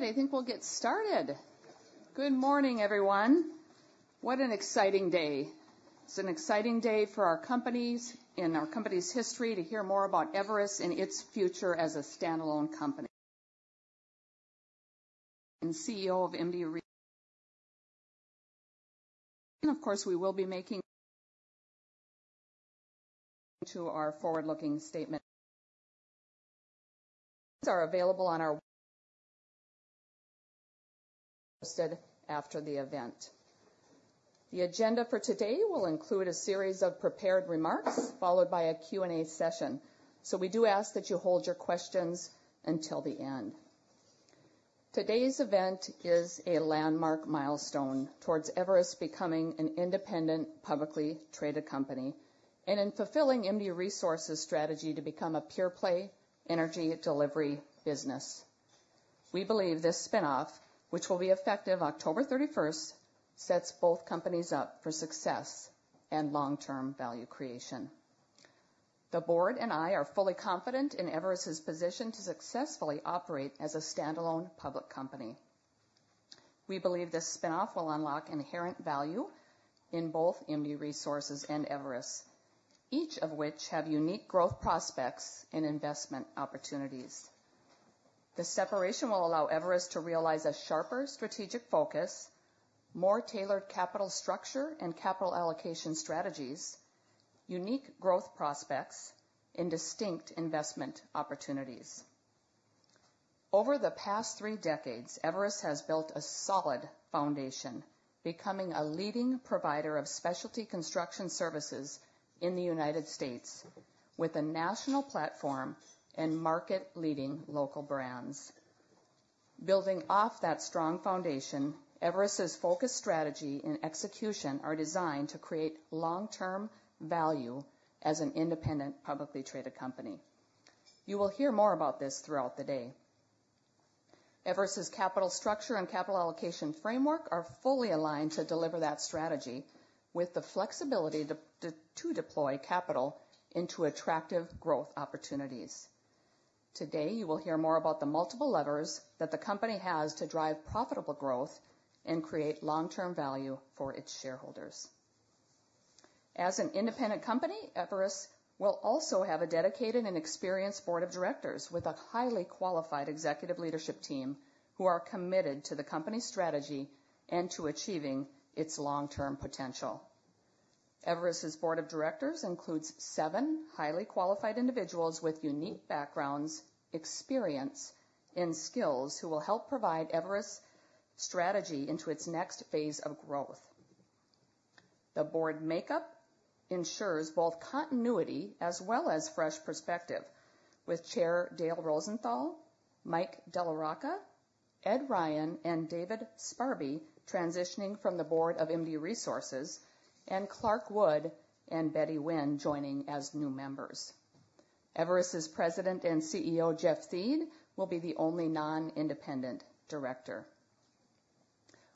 All right, I think we'll get started. Good morning, everyone. What an exciting day! It's an exciting day for our companies and our company's history to hear more about Everus and its future as a standalone company. Of course, we will be making forward-looking statements. They are available on our website after the event. The agenda for today will include a series of prepared remarks, followed by a Q&A session. So we do ask that you hold your questions until the end. Today's event is a landmark milestone towards Everus becoming an independent, publicly traded company, and in fulfilling MDU Resources' strategy to become a pure-play energy delivery business. We believe this spin-off, which will be effective October thirty-first, sets both companies up for success and long-term value creation. The board and I are fully confident in Everus' position to successfully operate as a standalone public company. We believe this spin-off will unlock inherent value in both MDU Resources and Everus, each of which have unique growth prospects and investment opportunities. The separation will allow Everus to realize a sharper strategic focus, more tailored capital structure and capital allocation strategies, unique growth prospects, and distinct investment opportunities. Over the past three decades, Everus has built a solid foundation, becoming a leading provider of specialty construction services in the United States, with a national platform and market-leading local brands. Building off that strong foundation, Everus' focused strategy and execution are designed to create long-term value as an independent, publicly traded company. You will hear more about this throughout the day. Everus' capital structure and capital allocation framework are fully aligned to deliver that strategy with the flexibility to deploy capital into attractive growth opportunities. Today, you will hear more about the multiple levers that the company has to drive profitable growth and create long-term value for its shareholders. As an independent company, Everus will also have a dedicated and experienced board of directors with a highly qualified executive leadership team, who are committed to the company's strategy and to achieving its long-term potential. Everus' board of directors includes seven highly qualified individuals with unique backgrounds, experience, and skills, who will help provide Everus' strategy into its next phase of growth. The board makeup ensures both continuity as well as fresh perspective with Chair Dale Rosenthal, Mike DellaRocca, Ed Ryan, and David Sparby, transitioning from the board of MDU Resources, and Clark Wood and Betty Wynn joining as new members. Everus' President and CEO, Jeff Thiede, will be the only non-independent director.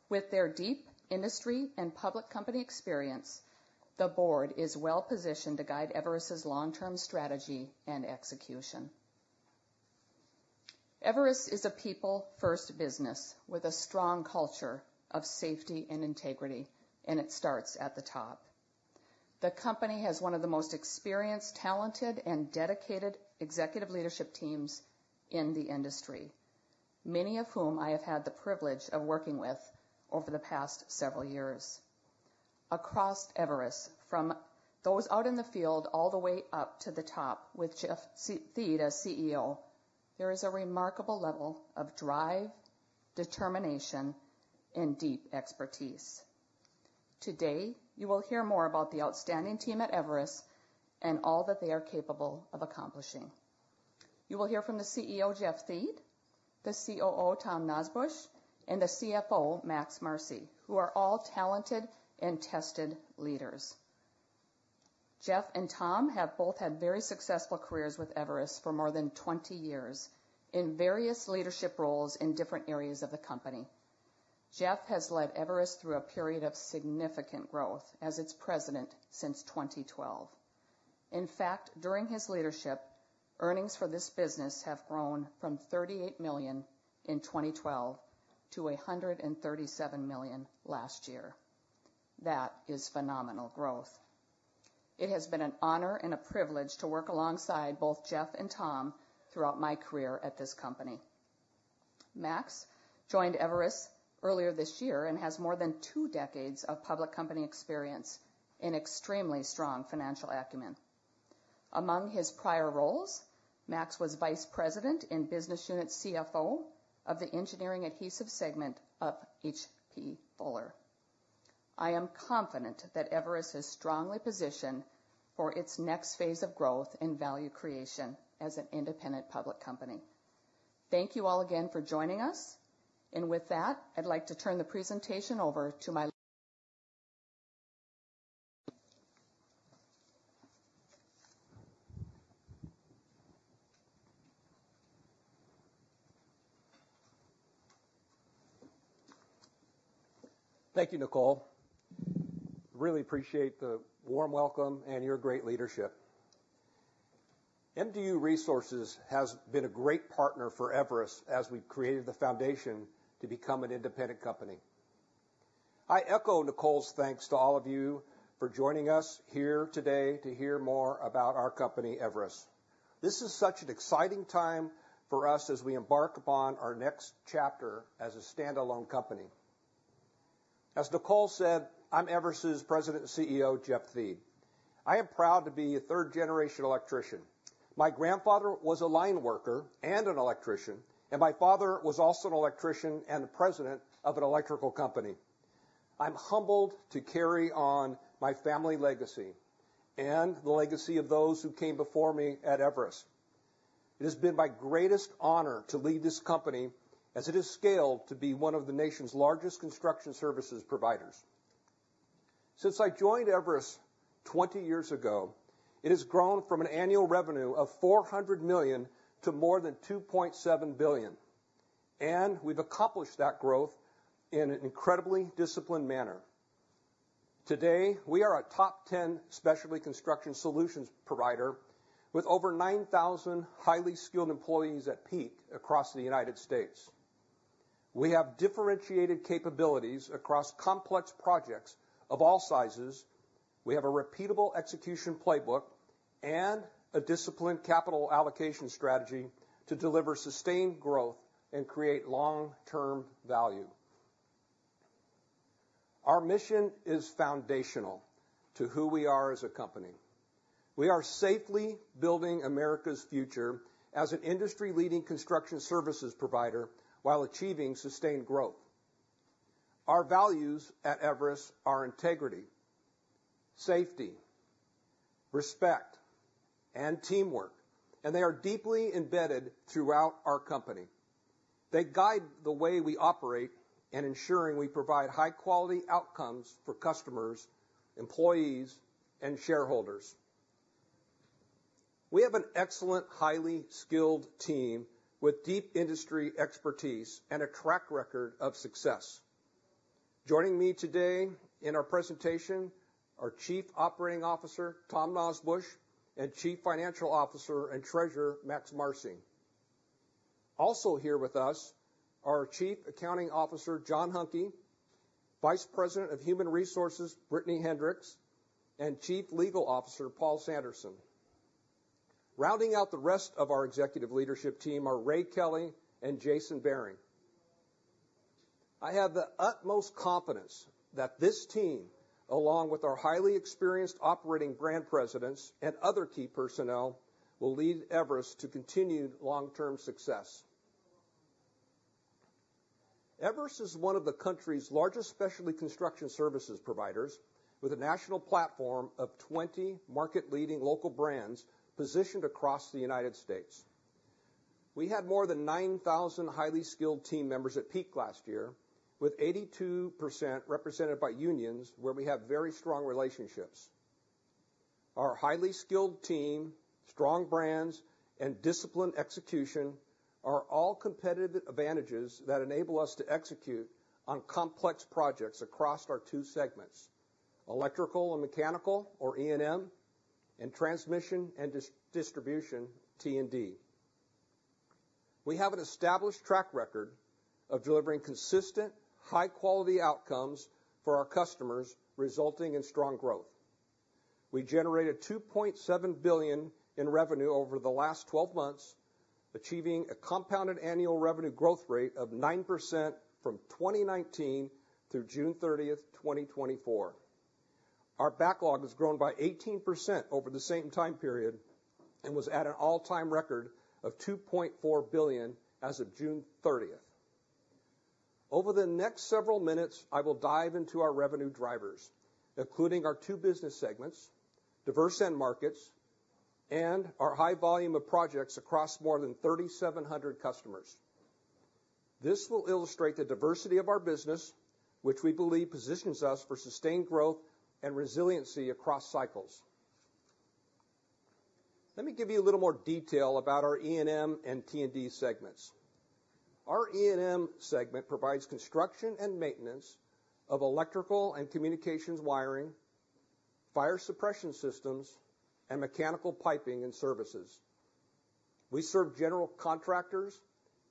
With their deep industry and public company experience, the board is well positioned to guide Everus' long-term strategy and execution. Everus is a people-first business with a strong culture of safety and integrity, and it starts at the top. The company has one of the most experienced, talented, and dedicated executive leadership teams in the industry, many of whom I have had the privilege of working with over the past several years. Across Everus, from those out in the field all the way up to the top with Jeff Thiede as CEO, there is a remarkable level of drive, determination, and deep expertise. Today, you will hear more about the outstanding team at Everus and all that they are capable of accomplishing. You will hear from the CEO, Jeff Thiede, the COO, Tom Nosbusch, and the CFO, Max Marcy, who are all talented and tested leaders. Jeff and Tom have both had very successful careers with Everus for more than 20 years in various leadership roles in different areas of the company. Jeff has led Everus through a period of significant growth as its president since 2012. In fact, during his leadership, earnings for this business have grown from $38 million in 2012 to $137 million last year. That is phenomenal growth. It has been an honor and a privilege to work alongside both Jeff and Tom throughout my career at this company. Max joined Everus earlier this year and has more than two decades of public company experience and extremely strong financial acumen. Among his prior roles, Max was Vice President and Business Unit CFO of the Engineered Adhesives segment of H.B. Fuller. I am confident that Everus is strongly positioned for its next phase of growth and value creation as an independent public company. Thank you all again for joining us, and with that, I'd like to turn the presentation over to my-... Thank you, Nicole. Really appreciate the warm welcome and your great leadership. MDU Resources has been a great partner for Everus as we've created the foundation to become an independent company. I echo Nicole's thanks to all of you for joining us here today to hear more about our company, Everus. This is such an exciting time for us as we embark upon our next chapter as a standalone company. As Nicole said, I'm Everus' President and CEO, Jeff Thiede. I am proud to be a third-generation electrician. My grandfather was a line worker and an electrician, and my father was also an electrician and the president of an electrical company. I'm humbled to carry on my family legacy and the legacy of those who came before me at Everus. It has been my greatest honor to lead this company as it has scaled to be one of the nation's largest construction services providers. Since I joined Everus 20 years ago, it has grown from an annual revenue of $400 million to more than $2.7 billion, and we've accomplished that growth in an incredibly disciplined manner. Today, we are a top 10 specialty construction solutions provider with over 9,000 highly skilled employees at peak across the United States. We have differentiated capabilities across complex projects of all sizes. We have a repeatable execution playbook and a disciplined capital allocation strategy to deliver sustained growth and create long-term value. Our mission is foundational to who we are as a company. We are safely building America's future as an industry-leading construction services provider while achieving sustained growth. Our values at Everus are integrity, safety, respect, and teamwork, and they are deeply embedded throughout our company. They guide the way we operate in ensuring we provide high-quality outcomes for customers, employees, and shareholders. We have an excellent, highly skilled team with deep industry expertise and a track record of success. Joining me today in our presentation, our Chief Operating Officer, Tom Nosbusch, and Chief Financial Officer and Treasurer, Max Marcy. Also here with us, our Chief Accounting Officer, John Hunke, Vice President of Human Resources, Brittany Hendricks, and Chief Legal Officer, Paul Sanderson. Rounding out the rest of our executive leadership team are Ray Kelly and Jason Behring. I have the utmost confidence that this team, along with our highly experienced operating brand presidents and other key personnel, will lead Everus to continued long-term success. Everus is one of the country's largest specialty construction services providers, with a national platform of 20 market-leading local brands positioned across the United States. We had more than 9,000 highly skilled team members at peak last year, with 82% represented by unions, where we have very strong relationships. Our highly skilled team, strong brands, and disciplined execution are all competitive advantages that enable us to execute on complex projects across our two segments, electrical and mechanical, or E&M, and transmission and distribution, T&D. We have an established track record of delivering consistent, high-quality outcomes for our customers, resulting in strong growth. We generated $2.7 billion in revenue over the last 12 months, achieving a compounded annual revenue growth rate of 9% from 2019 through June 30, 2024. Our backlog has grown by 18% over the same time period and was at an all-time record of $2.4 billion as of June 30th. Over the next several minutes, I will dive into our revenue drivers, including our two business segments, diverse end markets, and our high volume of projects across more than 3,700 customers. This will illustrate the diversity of our business, which we believe positions us for sustained growth and resiliency across cycles. Let me give you a little more detail about our E&M and T&D segments. Our E&M segment provides construction and maintenance of electrical and communications wiring, fire suppression systems, and mechanical piping and services. We serve general contractors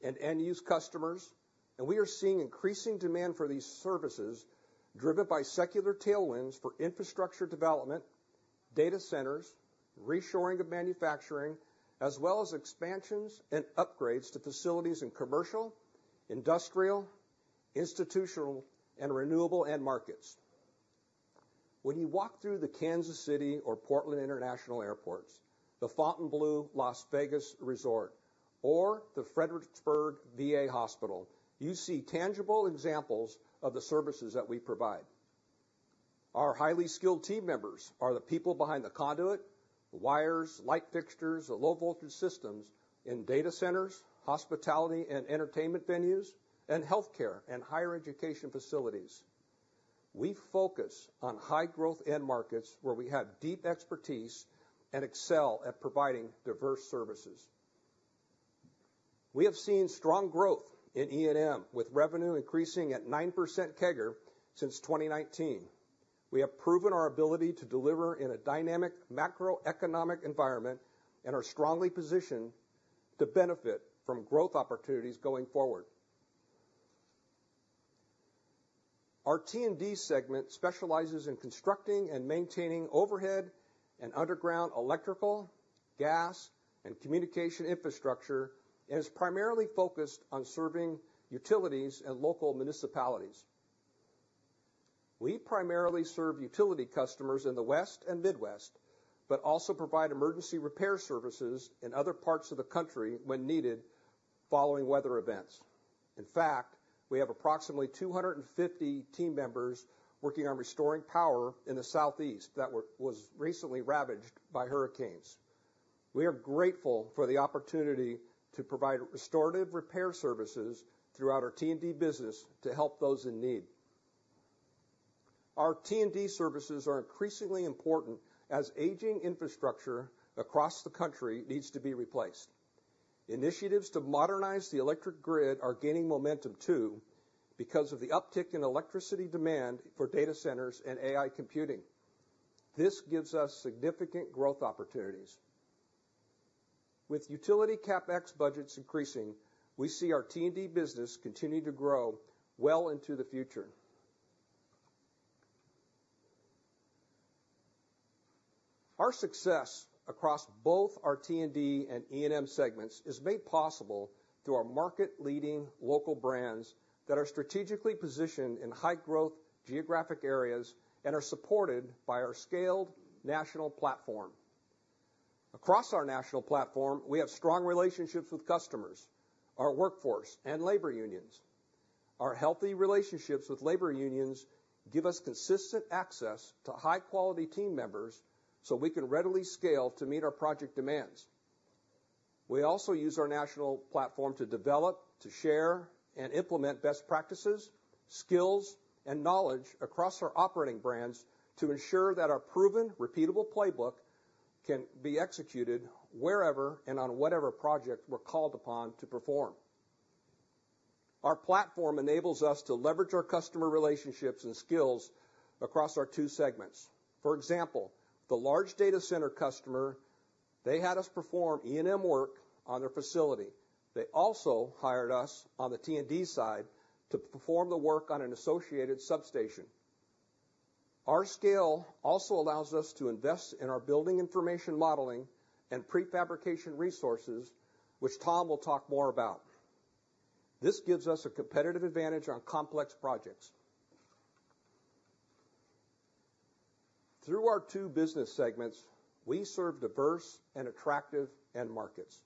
and end-use customers, and we are seeing increasing demand for these services, driven by secular tailwinds for infrastructure development, data centers, reshoring of manufacturing, as well as expansions and upgrades to facilities in commercial, industrial, institutional, and renewable end markets. When you walk through the Kansas City International Airport or Portland International Airport, the Fontainebleau Las Vegas Resort, or the Fredericksburg VA Hospital, you see tangible examples of the services that we provide. Our highly skilled team members are the people behind the conduit, wires, light fixtures, the low-voltage systems in data centers, hospitality and entertainment venues, and healthcare and higher education facilities. We focus on high-growth end markets where we have deep expertise and excel at providing diverse services.... We have seen strong growth in E&M, with revenue increasing at 9% CAGR since 2019. We have proven our ability to deliver in a dynamic macroeconomic environment and are strongly positioned to benefit from growth opportunities going forward. Our T&D segment specializes in constructing and maintaining overhead and underground electrical, gas, and communication infrastructure, and is primarily focused on serving utilities and local municipalities. We primarily serve utility customers in the West and Midwest, but also provide emergency repair services in other parts of the country when needed following weather events. In fact, we have approximately 250 team members working on restoring power in the Southeast that was recently ravaged by hurricanes. We are grateful for the opportunity to provide restorative repair services throughout our T&D business to help those in need. Our T&D services are increasingly important as aging infrastructure across the country needs to be replaced. Initiatives to modernize the electric grid are gaining momentum, too, because of the uptick in electricity demand for data centers and AI computing. This gives us significant growth opportunities. With utility CapEx budgets increasing, we see our T&D business continue to grow well into the future. Our success across both our T&D and E&M segments is made possible through our market-leading local brands that are strategically positioned in high-growth geographic areas and are supported by our scaled national platform. Across our national platform, we have strong relationships with customers, our workforce, and labor unions. Our healthy relationships with labor unions give us consistent access to high-quality team members so we can readily scale to meet our project demands. We also use our national platform to develop, to share, and implement best practices, skills, and knowledge across our operating brands to ensure that our proven, repeatable playbook can be executed wherever and on whatever project we're called upon to perform. Our platform enables us to leverage our customer relationships and skills across our two segments. For example, the large data center customer, they had us perform E&M work on their facility. They also hired us on the T&D side to perform the work on an associated substation. Our scale also allows us to invest in our building information modeling and prefabrication resources, which Tom will talk more about. This gives us a competitive advantage on complex projects. Through our two business segments, we serve diverse and attractive end markets.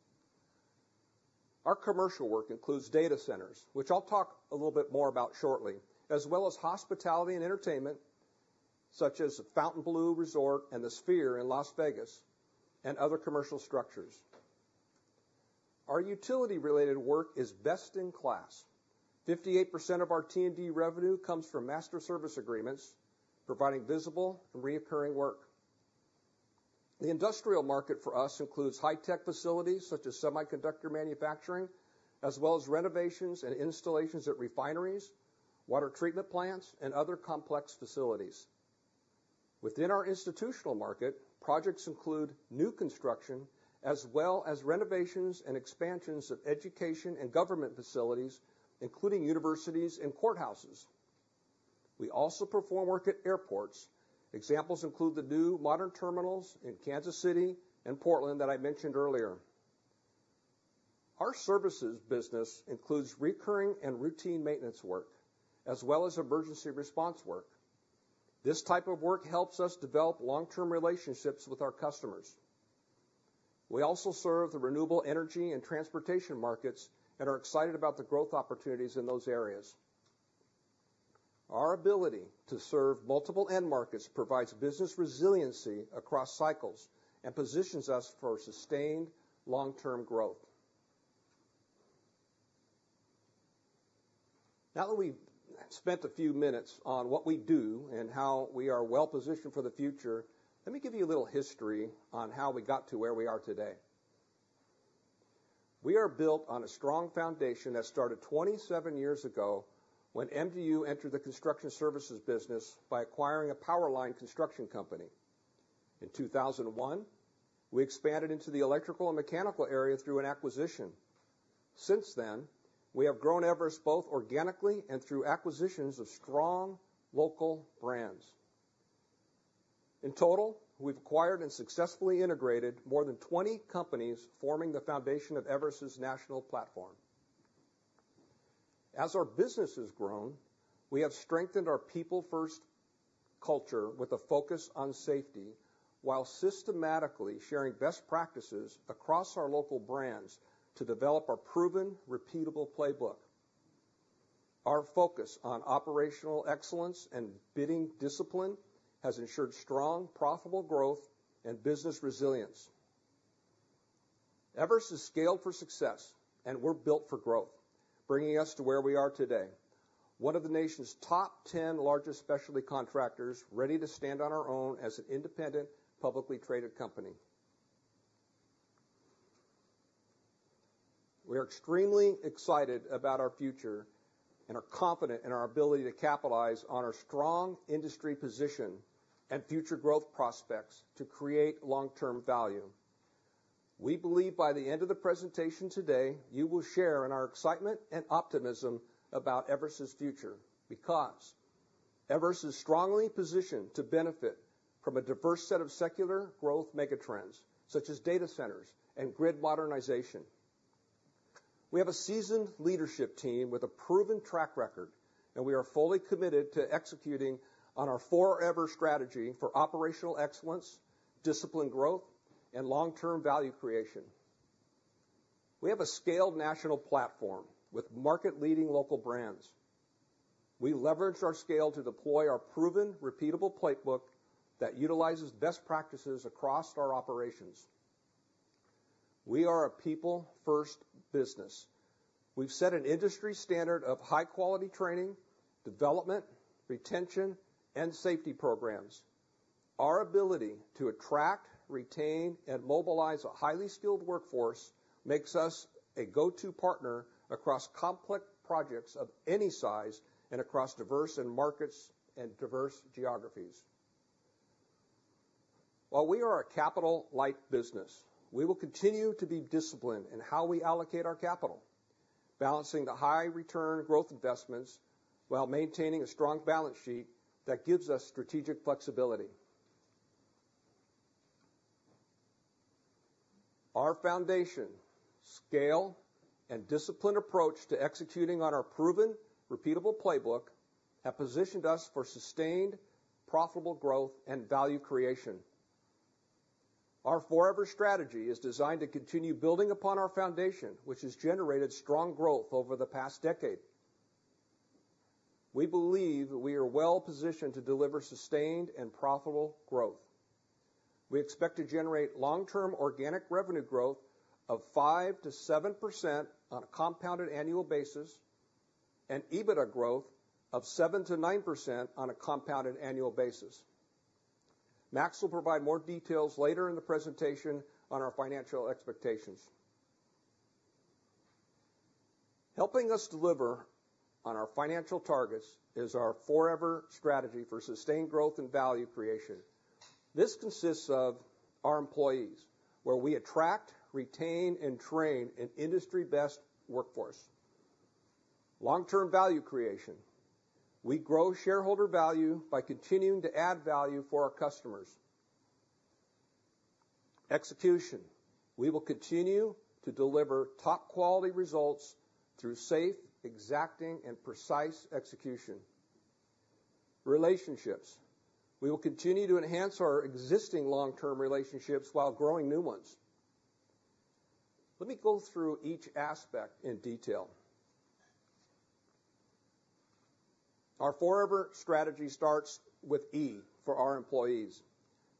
Our commercial work includes data centers, which I'll talk a little bit more about shortly, as well as hospitality and entertainment, such as Fontainebleau Resort and the Sphere in Las Vegas, and other commercial structures. Our utility-related work is best-in-class. 58% of our T&D revenue comes from master service agreements, providing visible and recurring work. The industrial market for us includes high-tech facilities, such as semiconductor manufacturing, as well as renovations and installations at refineries, water treatment plants, and other complex facilities. Within our institutional market, projects include new construction, as well as renovations and expansions of education and government facilities, including universities and courthouses. We also perform work at airports. Examples include the new modern terminals in Kansas City and Portland that I mentioned earlier. Our services business includes recurring and routine maintenance work, as well as emergency response work. This type of work helps us develop long-term relationships with our customers. We also serve the renewable energy and transportation markets and are excited about the growth opportunities in those areas. Our ability to serve multiple end markets provides business resiliency across cycles and positions us for sustained long-term growth. Now that we've spent a few minutes on what we do and how we are well-positioned for the future, let me give you a little history on how we got to where we are today. We are built on a strong foundation that started 27 years ago when MDU entered the construction services business by acquiring a power line construction company. In 2001, we expanded into the electrical and mechanical area through an acquisition. Since then, we have grown Everus both organically and through acquisitions of strong local brands. In total, we've acquired and successfully integrated more than 20 companies, forming the foundation of Everus' national platform. As our business has grown, we have strengthened our people-first culture with a focus on safety, while systematically sharing best practices across our local brands to develop a proven, repeatable playbook. Our focus on operational excellence and bidding discipline has ensured strong, profitable growth and business resilience. Everus is scaled for success, and we're built for growth, bringing us to where we are today... one of the nation's top 10 largest specialty contractors, ready to stand on our own as an independent, publicly traded company. We are extremely excited about our future and are confident in our ability to capitalize on our strong industry position and future growth prospects to create long-term value. We believe by the end of the presentation today, you will share in our excitement and optimism about Everus' future, because Everus is strongly positioned to benefit from a diverse set of secular growth megatrends, such as data centers and grid modernization. We have a seasoned leadership team with a proven track record, and we are fully committed to executing on our Forever Strategy for operational excellence, disciplined growth, and long-term value creation. We have a scaled national platform with market-leading local brands. We leverage our scale to deploy our proven, repeatable playbook that utilizes best practices across our operations. We are a people-first business. We've set an industry standard of high-quality training, development, retention, and safety programs. Our ability to attract, retain, and mobilize a highly skilled workforce makes us a go-to partner across complex projects of any size and across diverse end markets and diverse geographies. While we are a capital-light business, we will continue to be disciplined in how we allocate our capital, balancing the high return growth investments while maintaining a strong balance sheet that gives us strategic flexibility. Our foundation, scale, and disciplined approach to executing on our proven, repeatable playbook, have positioned us for sustained, profitable growth and value creation. Our Forever Strategy is designed to continue building upon our foundation, which has generated strong growth over the past decade. We believe we are well positioned to deliver sustained and profitable growth. We expect to generate long-term organic revenue growth of 5-7% on a compounded annual basis, and EBITDA growth of 7-9% on a compounded annual basis. Max will provide more details later in the presentation on our financial expectations. Helping us deliver on our financial targets is our Forever Strategy for sustained growth and value creation. This consists of our employees, where we attract, retain, and train an industry-best workforce. Long-term value creation. We grow shareholder value by continuing to add value for our customers. Execution. We will continue to deliver top-quality results through safe, exacting, and precise execution. Relationships. We will continue to enhance our existing long-term relationships while growing new ones. Let me go through each aspect in detail. Our Forever Strategy starts with E for our employees.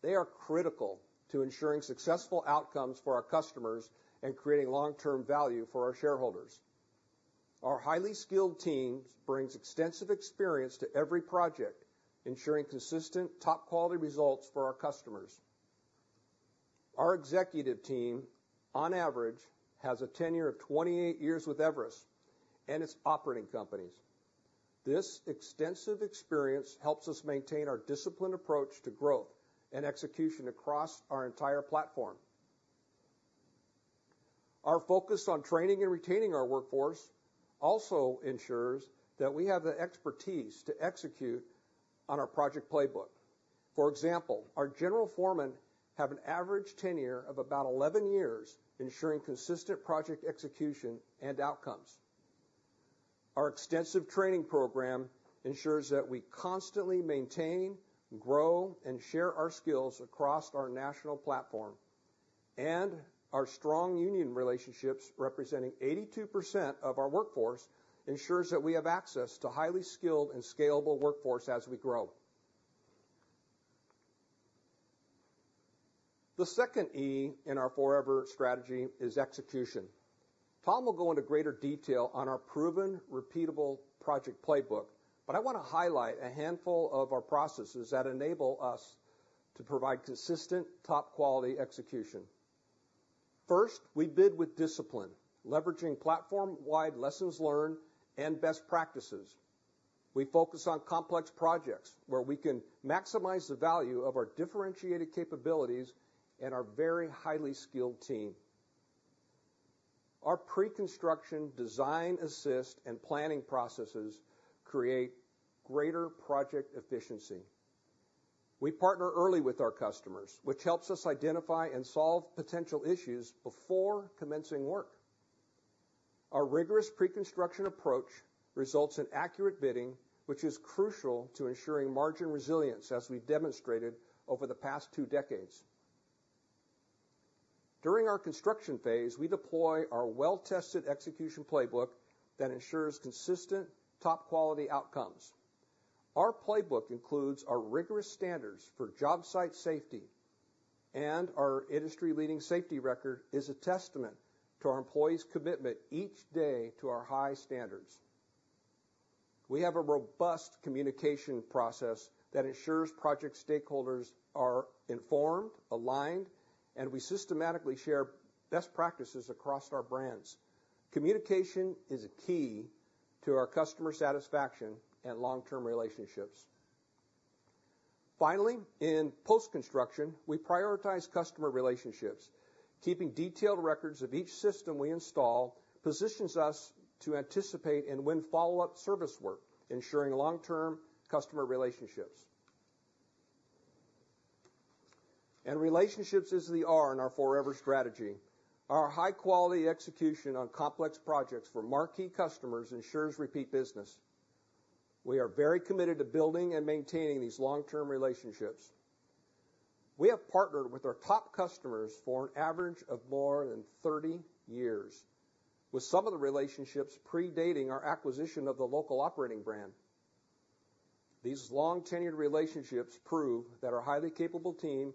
They are critical to ensuring successful outcomes for our customers and creating long-term value for our shareholders. Our highly skilled team brings extensive experience to every project, ensuring consistent, top-quality results for our customers. Our executive team, on average, has a tenure of 28 years with Everus and its operating companies. This extensive experience helps us maintain our disciplined approach to growth and execution across our entire platform. Our focus on training and retaining our workforce also ensures that we have the expertise to execute on our project playbook. For example, our general foremen have an average tenure of about 11 years, ensuring consistent project execution and outcomes. Our extensive training program ensures that we constantly maintain, grow, and share our skills across our national platform, and our strong union relationships, representing 82% of our workforce, ensures that we have access to highly skilled and scalable workforce as we grow. The second E in our Forever Strategy is execution. Tom will go into greater detail on our proven, repeatable project playbook, but I wanna highlight a handful of our processes that enable us to provide consistent, top-quality execution. First, we bid with discipline, leveraging platform-wide lessons learned and best practices. We focus on complex projects where we can maximize the value of our differentiated capabilities and our very highly skilled team. Our pre-construction, design-assist, and planning processes create greater project efficiency. We partner early with our customers, which helps us identify and solve potential issues before commencing work. Our rigorous pre-construction approach results in accurate bidding, which is crucial to ensuring margin resilience, as we've demonstrated over the past two decades. During our construction phase, we deploy our well-tested execution playbook that ensures consistent, top-quality outcomes. Our playbook includes our rigorous standards for job site safety, and our industry-leading safety record is a testament to our employees' commitment each day to our high standards. We have a robust communication process that ensures project stakeholders are informed, aligned, and we systematically share best practices across our brands. Communication is a key to our customer satisfaction and long-term relationships. Finally, in post-construction, we prioritize customer relationships. Keeping detailed records of each system we install positions us to anticipate and win follow-up service work, ensuring long-term customer relationships. Relationships is the R in our Forever Strategy. Our high-quality execution on complex projects for marquee customers ensures repeat business. We are very committed to building and maintaining these long-term relationships. We have partnered with our top customers for an average of more than 30 years, with some of the relationships predating our acquisition of the local operating brand. These long-tenured relationships prove that our highly capable team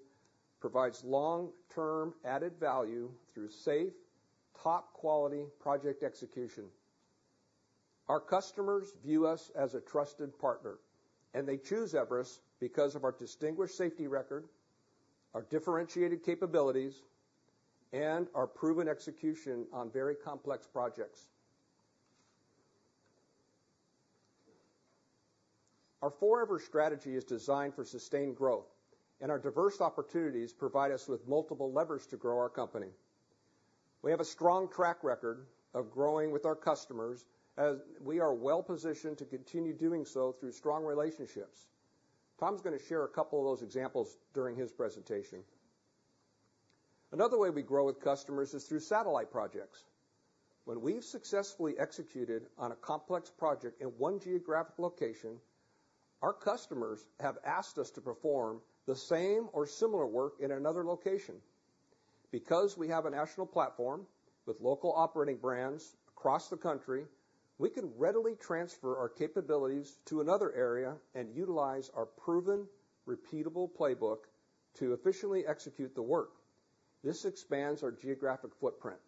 provides long-term added value through safe, top-quality project execution. Our customers view us as a trusted partner, and they choose Everus because of our distinguished safety record, our differentiated capabilities, and our proven execution on very complex projects. Our Forever Strategy is designed for sustained growth, and our diverse opportunities provide us with multiple levers to grow our company. We have a strong track record of growing with our customers, as we are well-positioned to continue doing so through strong relationships. Tom's gonna share a couple of those examples during his presentation. Another way we grow with customers is through satellite projects. When we've successfully executed on a complex project in one geographic location, our customers have asked us to perform the same or similar work in another location. Because we have a national platform with local operating brands across the country, we can readily transfer our capabilities to another area and utilize our proven, repeatable playbook to efficiently execute the work. This expands our geographic footprint.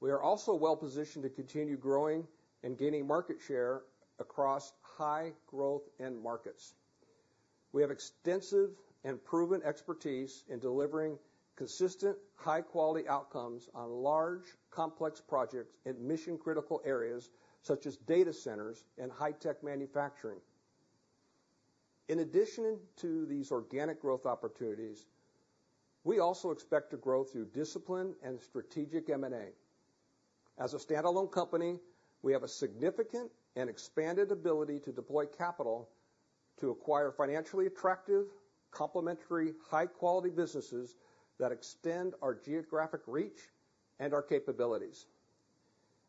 We are also well-positioned to continue growing and gaining market share across high growth end markets. We have extensive and proven expertise in delivering consistent, high-quality outcomes on large, complex projects in mission-critical areas such as data centers and high-tech manufacturing. In addition to these organic growth opportunities, we also expect to grow through discipline and strategic M&A. As a standalone company, we have a significant and expanded ability to deploy capital to acquire financially attractive, complementary, high-quality businesses that extend our geographic reach and our capabilities.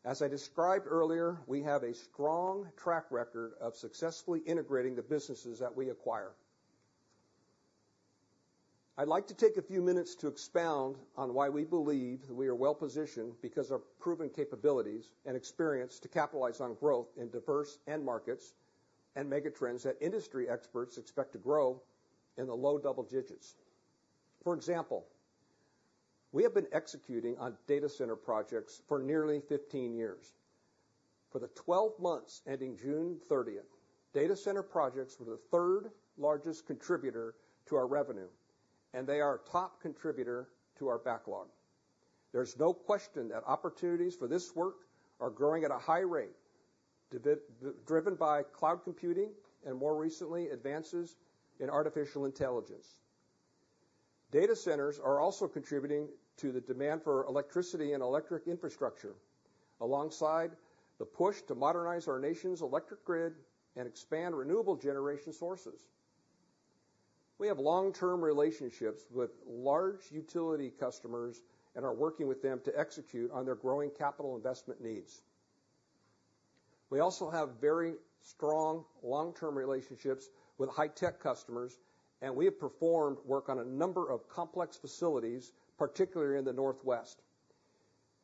As I described earlier, we have a strong track record of successfully integrating the businesses that we acquire. I'd like to take a few minutes to expound on why we believe that we are well-positioned, because of our proven capabilities and experience to capitalize on growth in diverse end markets and megatrends that industry experts expect to grow in the low double digits. For example, we have been executing on data center projects for nearly 15 years. For the twelve months ending June 30th, data center projects were the third-largest contributor to our revenue, and they are a top contributor to our backlog. There's no question that opportunities for this work are growing at a high rate, driven by cloud computing and, more recently, advances in artificial intelligence. Data centers are also contributing to the demand for electricity and electric infrastructure, alongside the push to modernize our nation's electric grid and expand renewable generation sources. We have long-term relationships with large utility customers and are working with them to execute on their growing capital investment needs. We also have very strong long-term relationships with high-tech customers, and we have performed work on a number of complex facilities, particularly in the Northwest.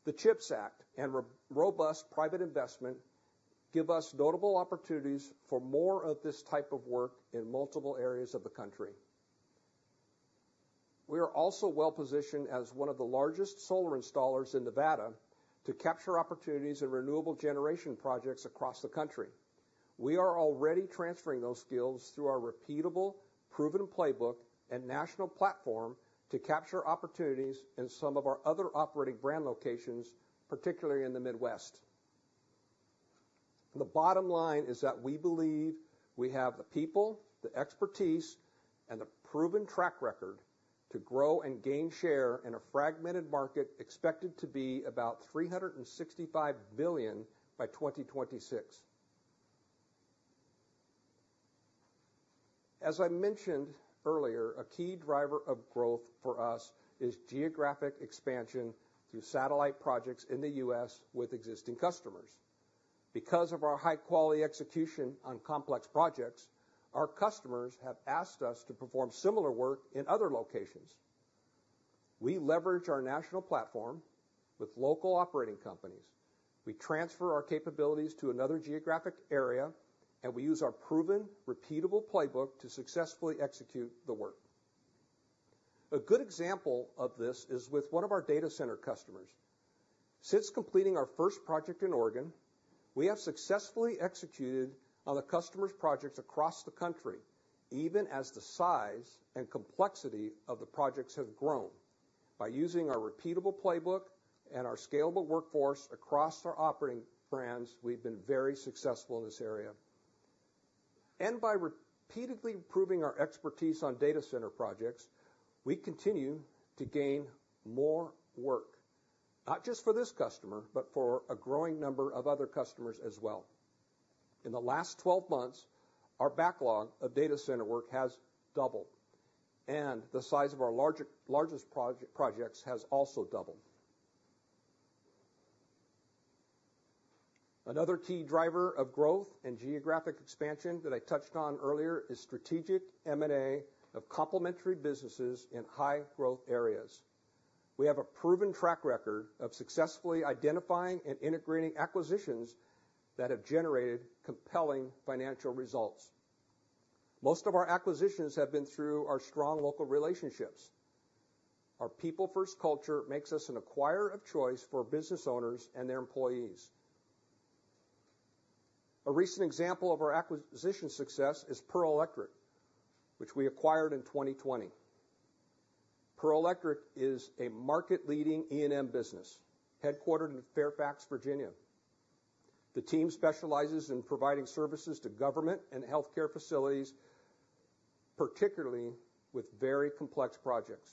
The CHIPS Act and robust private investment give us notable opportunities for more of this type of work in multiple areas of the country. We are also well-positioned as one of the largest solar installers in Nevada, to capture opportunities in renewable generation projects across the country. We are already transferring those skills through our repeatable, proven playbook and national platform to capture opportunities in some of our other operating brand locations, particularly in the Midwest. The bottom line is that we believe we have the people, the expertise, and the proven track record to grow and gain share in a fragmented market, expected to be about $365 billion by 2026. As I mentioned earlier, a key driver of growth for us is geographic expansion through satellite projects in the U.S. with existing customers. Because of our high-quality execution on complex projects, our customers have asked us to perform similar work in other locations. We leverage our national platform with local operating companies. We transfer our capabilities to another geographic area, and we use our proven, repeatable playbook to successfully execute the work. A good example of this is with one of our data center customers. Since completing our first project in Oregon, we have successfully executed on the customer's projects across the country, even as the size and complexity of the projects have grown. By using our repeatable playbook and our scalable workforce across our operating brands, we've been very successful in this area. And by repeatedly improving our expertise on data center projects, we continue to gain more work, not just for this customer, but for a growing number of other customers as well. In the last twelve months, our backlog of data center work has doubled, and the size of our largest projects has also doubled. Another key driver of growth and geographic expansion that I touched on earlier is strategic M&A of complementary businesses in high-growth areas. We have a proven track record of successfully identifying and integrating acquisitions that have generated compelling financial results. Most of our acquisitions have been through our strong local relationships. Our people-first culture makes us an acquirer of choice for business owners and their employees. A recent example of our acquisition success is PerLectric, which we acquired in 2020. PerLectric is a market-leading E&M business, headquartered in Fairfax, Virginia. The team specializes in providing services to government and healthcare facilities, particularly with very complex projects.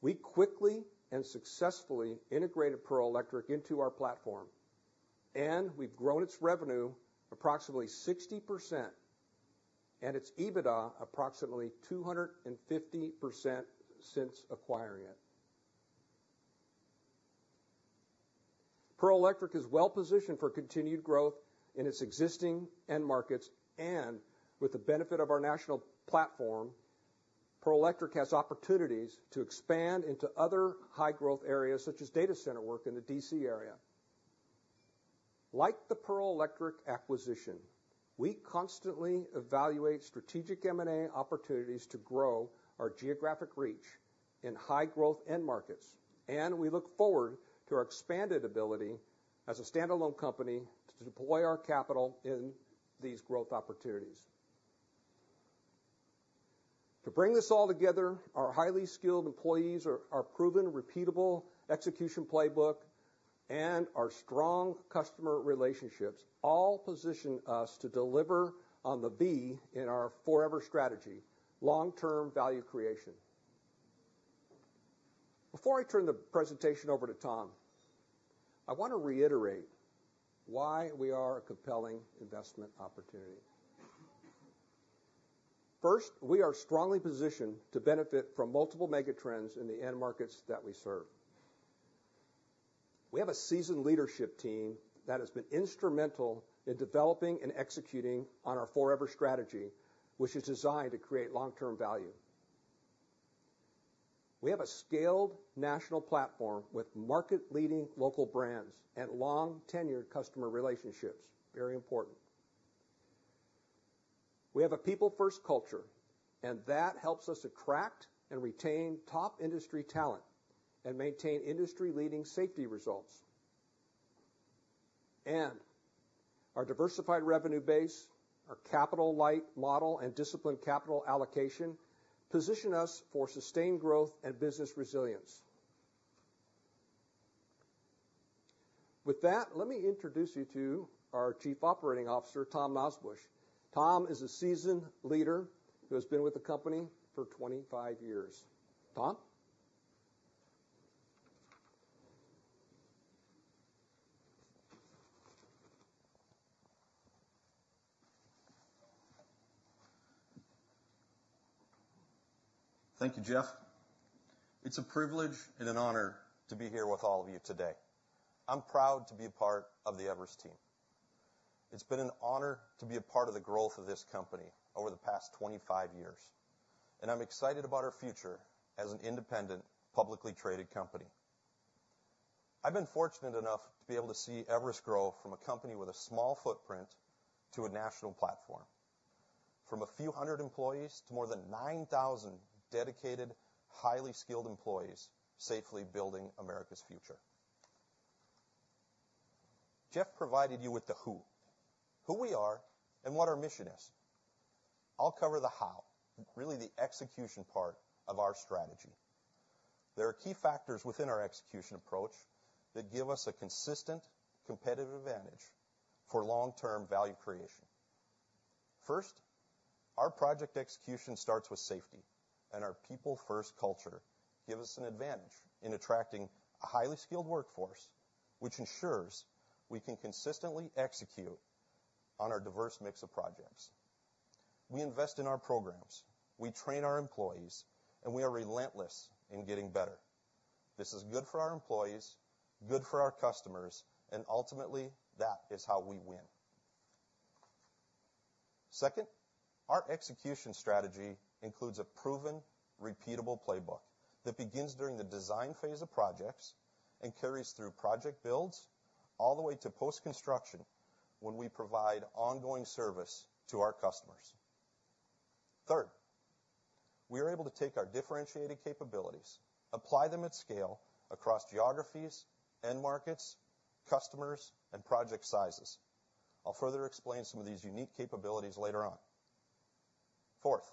We quickly and successfully integrated PerLectric into our platform, and we've grown its revenue approximately 60% and its EBITDA approximately 250% since acquiring it. PerLectric is well positioned for continued growth in its existing end markets, and with the benefit of our national platform, PerLectric has opportunities to expand into other high-growth areas, such as data center work in the DC area. Like the PerLectric acquisition, we constantly evaluate strategic M&A opportunities to grow our geographic reach in high-growth end markets, and we look forward to our expanded ability as a standalone company to deploy our capital in these growth opportunities. To bring this all together, our highly skilled employees, our proven, repeatable execution playbook and our strong customer relationships all position us to deliver on the V in our Forever Strategy: long-term value creation. Before I turn the presentation over to Tom, I want to reiterate why we are a compelling investment opportunity. First, we are strongly positioned to benefit from multiple mega trends in the end markets that we serve. We have a seasoned leadership team that has been instrumental in developing and executing on our forever strategy, which is designed to create long-term value. We have a scaled national platform with market-leading local brands and long-tenured customer relationships, very important. We have a people-first culture, and that helps us attract and retain top industry talent and maintain industry-leading safety results, and our diversified revenue base, our capital-light model, and disciplined capital allocation position us for sustained growth and business resilience. With that, let me introduce you to our Chief Operating Officer, Tom Nosbusch. Tom is a seasoned leader who has been with the company for 25 years. Tom? Thank you, Jeff. It's a privilege and an honor to be here with all of you today. I'm proud to be a part of the Everus team. It's been an honor to be a part of the growth of this company over the past 25 years, and I'm excited about our future as an independent, publicly traded company. I've been fortunate enough to be able to see Everus grow from a company with a small footprint to a national platform, from a few hundred employees to more than nine thousand dedicated, highly skilled employees, safely building America's future. Jeff provided you with the who, who we are and what our mission is. I'll cover the how, really the execution part of our strategy. There are key factors within our execution approach that give us a consistent competitive advantage for long-term value creation. First, our project execution starts with safety, and our people-first culture gives us an advantage in attracting a highly skilled workforce, which ensures we can consistently execute on our diverse mix of projects. We invest in our programs, we train our employees, and we are relentless in getting better. This is good for our employees, good for our customers, and ultimately, that is how we win. Second, our execution strategy includes a proven, repeatable playbook that begins during the design phase of projects and carries through project builds all the way to post-construction, when we provide ongoing service to our customers. Third, we are able to take our differentiated capabilities, apply them at scale across geographies, end markets, customers, and project sizes. I'll further explain some of these unique capabilities later on. Fourth,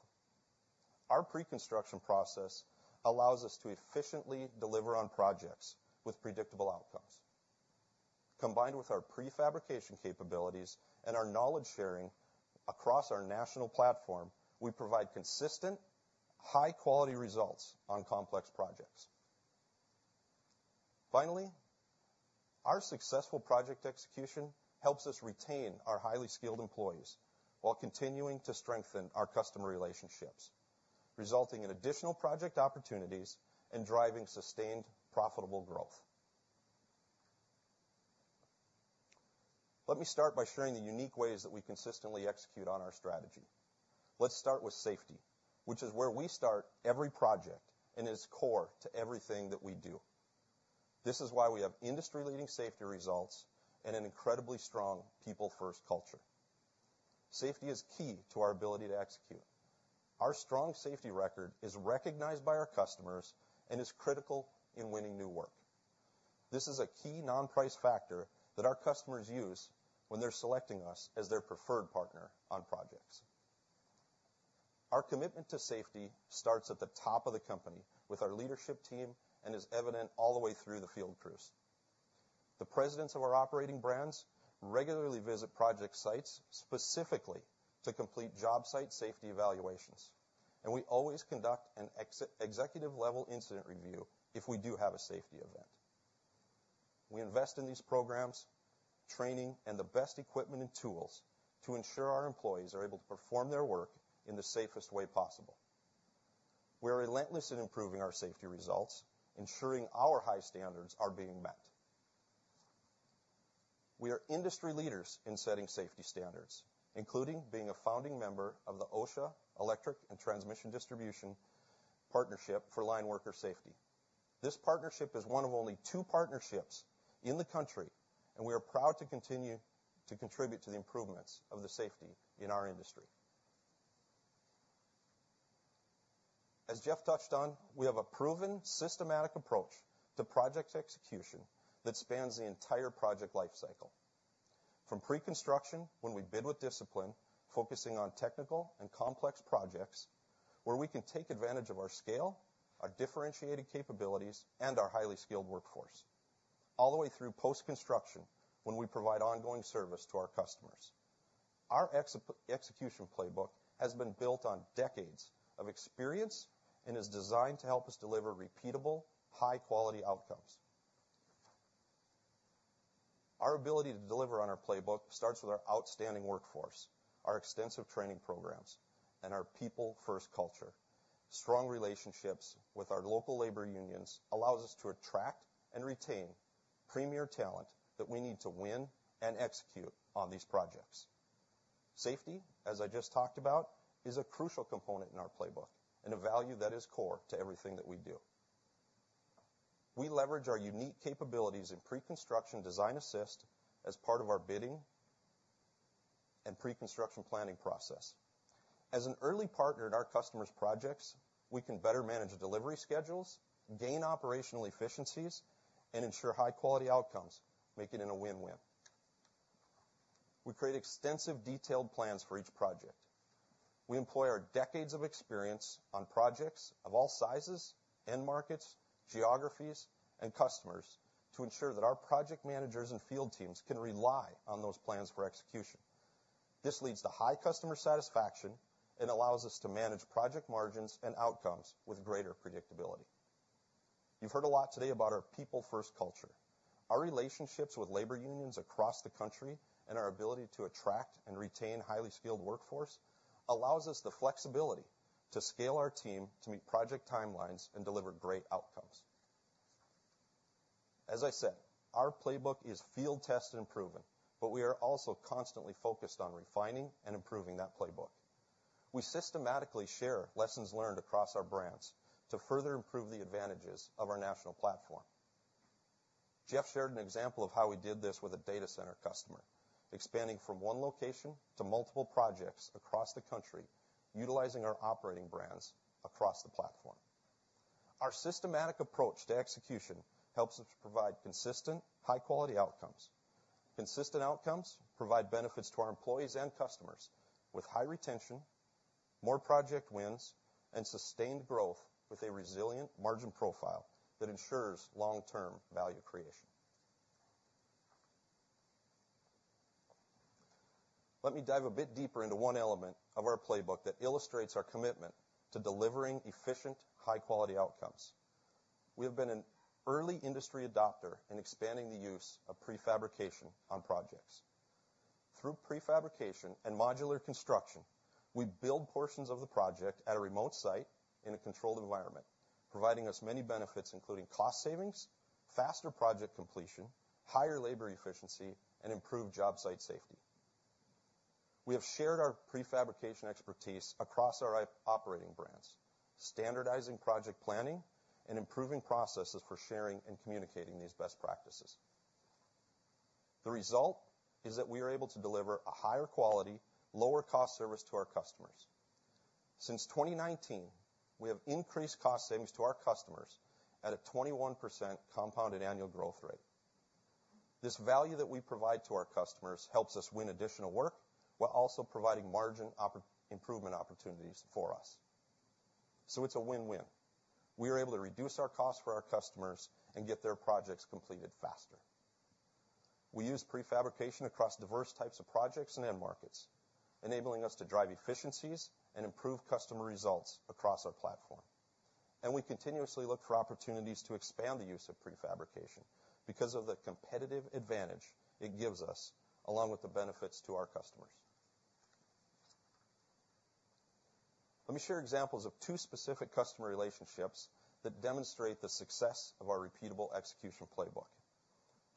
our pre-construction process allows us to efficiently deliver on projects with predictable outcomes. Combined with our prefabrication capabilities and our knowledge sharing across our national platform, we provide consistent, high-quality results on complex projects. Finally, our successful project execution helps us retain our highly skilled employees while continuing to strengthen our customer relationships, resulting in additional project opportunities and driving sustained, profitable growth. Let me start by sharing the unique ways that we consistently execute on our strategy. Let's start with safety, which is where we start every project and is core to everything that we do. This is why we have industry-leading safety results and an incredibly strong people-first culture. Safety is key to our ability to execute. Our strong safety record is recognized by our customers and is critical in winning new work. This is a key non-price factor that our customers use when they're selecting us as their preferred partner on projects. Our commitment to safety starts at the top of the company with our leadership team and is evident all the way through the field crews. The presidents of our operating brands regularly visit project sites, specifically to complete job site safety evaluations, and we always conduct an executive-level incident review if we do have a safety event. We invest in these programs, training, and the best equipment and tools to ensure our employees are able to perform their work in the safest way possible. We're relentless in improving our safety results, ensuring our high standards are being met. We are industry leaders in setting safety standards, including being a founding member of the OSHA Electric and Transmission Distribution Partnership for Line Worker Safety. This partnership is one of only two partnerships in the country, and we are proud to continue to contribute to the improvements of the safety in our industry. As Jeff touched on, we have a proven, systematic approach to project execution that spans the entire project life cycle, from pre-construction, when we bid with discipline, focusing on technical and complex projects where we can take advantage of our scale, our differentiated capabilities, and our highly skilled workforce, all the way through post-construction, when we provide ongoing service to our customers. Our execution playbook has been built on decades of experience and is designed to help us deliver repeatable, high-quality outcomes. Our ability to deliver on our playbook starts with our outstanding workforce, our extensive training programs, and our people-first culture. Strong relationships with our local labor unions allows us to attract and retain premier talent that we need to win and execute on these projects. Safety, as I just talked about, is a crucial component in our playbook and a value that is core to everything that we do. We leverage our unique capabilities in pre-construction design assist as part of our bidding and pre-construction planning process. As an early partner in our customers' projects, we can better manage the delivery schedules, gain operational efficiencies, and ensure high-quality outcomes, making it a win-win. We create extensive, detailed plans for each project. We employ our decades of experience on projects of all sizes, end markets, geographies, and customers to ensure that our project managers and field teams can rely on those plans for execution. This leads to high customer satisfaction and allows us to manage project margins and outcomes with greater predictability. You've heard a lot today about our people-first culture. Our relationships with labor unions across the country and our ability to attract and retain highly skilled workforce, allows us the flexibility to scale our team to meet project timelines and deliver great outcomes. As I said, our playbook is field-tested and proven, but we are also constantly focused on refining and improving that playbook. We systematically share lessons learned across our brands to further improve the advantages of our national platform. Jeff shared an example of how we did this with a data center customer, expanding from one location to multiple projects across the country, utilizing our operating brands across the platform. Our systematic approach to execution helps us provide consistent, high-quality outcomes. Consistent outcomes provide benefits to our employees and customers with high retention, more project wins, and sustained growth, with a resilient margin profile that ensures long-term value creation. Let me dive a bit deeper into one element of our playbook that illustrates our commitment to delivering efficient, high-quality outcomes. We have been an early industry adopter in expanding the use of prefabrication on projects. Through prefabrication and modular construction. We build portions of the project at a remote site in a controlled environment, providing us many benefits, including cost savings, faster project completion, higher labor efficiency, and improved job site safety. We have shared our prefabrication expertise across our operating brands, standardizing project planning and improving processes for sharing and communicating these best practices. The result is that we are able to deliver a higher quality, lower-cost service to our customers. Since 2019, we have increased cost savings to our customers at a 21% compounded annual growth rate. This value that we provide to our customers helps us win additional work, while also providing margin improvement opportunities for us. So it's a win-win. We are able to reduce our costs for our customers and get their projects completed faster. We use prefabrication across diverse types of projects and end markets, enabling us to drive efficiencies and improve customer results across our platform. And we continuously look for opportunities to expand the use of prefabrication because of the competitive advantage it gives us, along with the benefits to our customers. Let me share examples of two specific customer relationships that demonstrate the success of our repeatable execution playbook.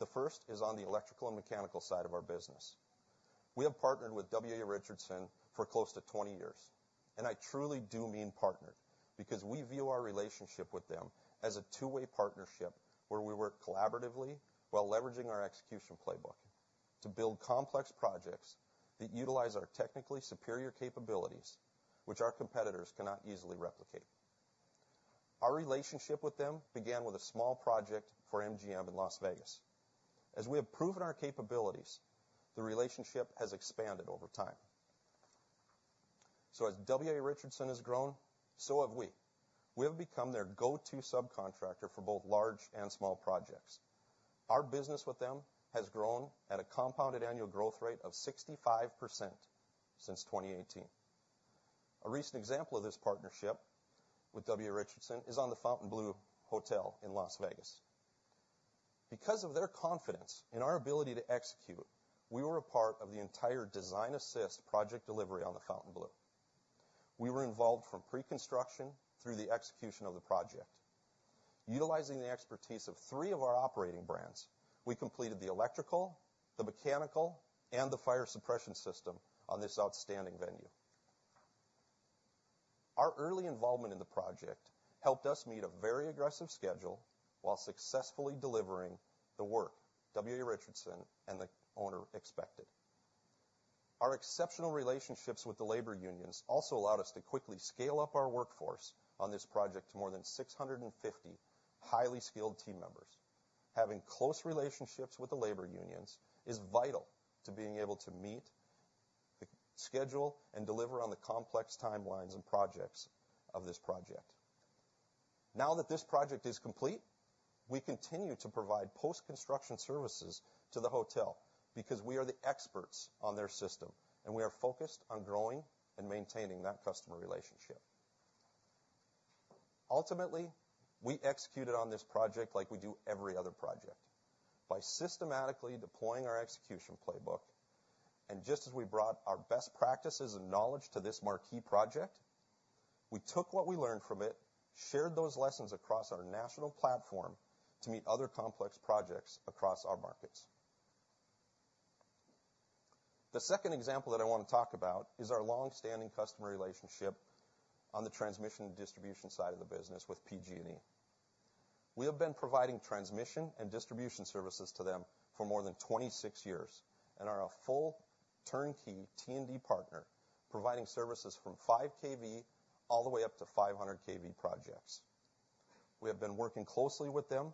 The first is on the electrical and mechanical side of our business. We have partnered with W.A. Richardson for close to 20 years, and I truly do mean partnered, because we view our relationship with them as a two-way partnership, where we work collaboratively while leveraging our execution playbook to build complex projects that utilize our technically superior capabilities, which our competitors cannot easily replicate. Our relationship with them began with a small project for MGM in Las Vegas. As we have proven our capabilities, the relationship has expanded over time. So as W.A. Richardson has grown, so have we. We have become their go-to subcontractor for both large and small projects. Our business with them has grown at a compounded annual growth rate of 65% since 2018. A recent example of this partnership with W.A. Richardson is on the Fontainebleau Hotel in Las Vegas. Because of their confidence in our ability to execute, we were a part of the entire design assist project delivery on the Fontainebleau. We were involved from pre-construction through the execution of the project. Utilizing the expertise of three of our operating brands, we completed the electrical, the mechanical, and the fire suppression system on this outstanding venue. Our early involvement in the project helped us meet a very aggressive schedule while successfully delivering the work W.A. Richardson and the owner expected. Our exceptional relationships with the labor unions also allowed us to quickly scale up our workforce on this project to more than 650 highly skilled team members. Having close relationships with the labor unions is vital to being able to meet the schedule and deliver on the complex timelines and projects of this project. Now that this project is complete, we continue to provide post-construction services to the hotel because we are the experts on their system, and we are focused on growing and maintaining that customer relationship. Ultimately, we executed on this project like we do every other project, by systematically deploying our execution playbook, and just as we brought our best practices and knowledge to this marquee project, we took what we learned from it, shared those lessons across our national platform to meet other complex projects across our markets. The second example that I want to talk about is our long-standing customer relationship on the transmission and distribution side of the business with PG&E. We have been providing transmission and distribution services to them for more than 26 years and are a full turnkey T&D partner, providing services from 5 kV all the way up to 500 kV projects. We have been working closely with them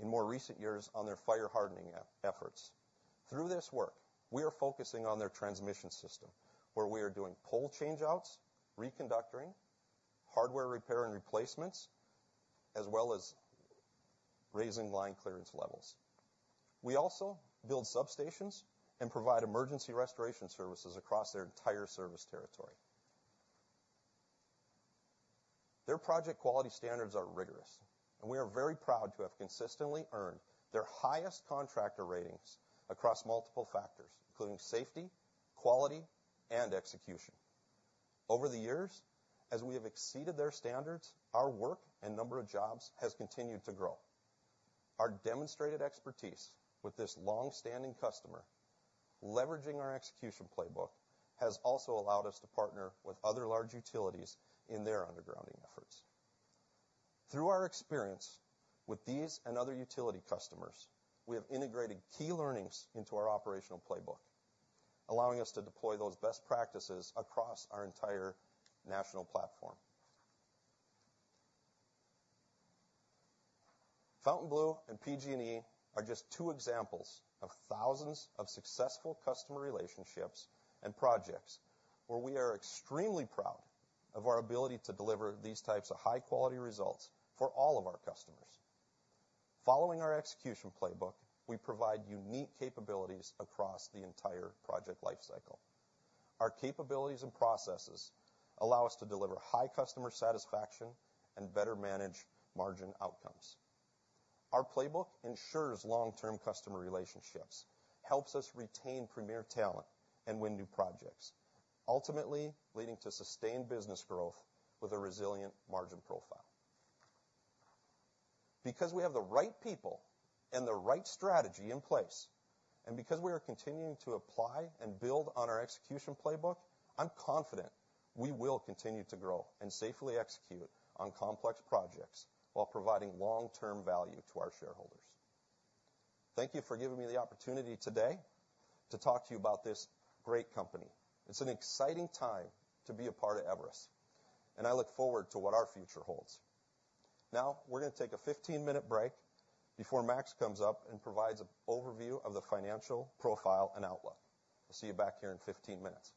in more recent years on their fire hardening efforts. Through this work, we are focusing on their transmission system, where we are doing pole change-outs, reconductoring, hardware repair and replacements, as well as raising line clearance levels. We also build substations and provide emergency restoration services across their entire service territory. Their project quality standards are rigorous, and we are very proud to have consistently earned their highest contractor ratings across multiple factors, including safety, quality, and execution. Over the years, as we have exceeded their standards, our work and number of jobs has continued to grow. Our demonstrated expertise with this long-standing customer, leveraging our execution playbook, has also allowed us to partner with other large utilities in their undergrounding efforts. Through our experience with these and other utility customers, we have integrated key learnings into our operational playbook, allowing us to deploy those best practices across our entire national platform. Fontainebleau and PG&E are just two examples of thousands of successful customer relationships and projects where we are extremely proud of our ability to deliver these types of high-quality results for all of our customers. Following our execution playbook, we provide unique capabilities across the entire project life cycle. Our capabilities and processes allow us to deliver high customer satisfaction and better manage margin outcomes. Our playbook ensures long-term customer relationships, helps us retain premier talent, and win new projects, ultimately leading to sustained business growth with a resilient margin profile. Because we have the right people and the right strategy in place, and because we are continuing to apply and build on our execution playbook, I'm confident we will continue to grow and safely execute on complex projects while providing long-term value to our shareholders. Thank you for giving me the opportunity today to talk to you about this great company. It's an exciting time to be a part of Everus, and I look forward to what our future holds. Now, we're going to take a 15-minute break before Max comes up and provides an overview of the financial profile and outlook. We'll see you back here in 15 minutes. ...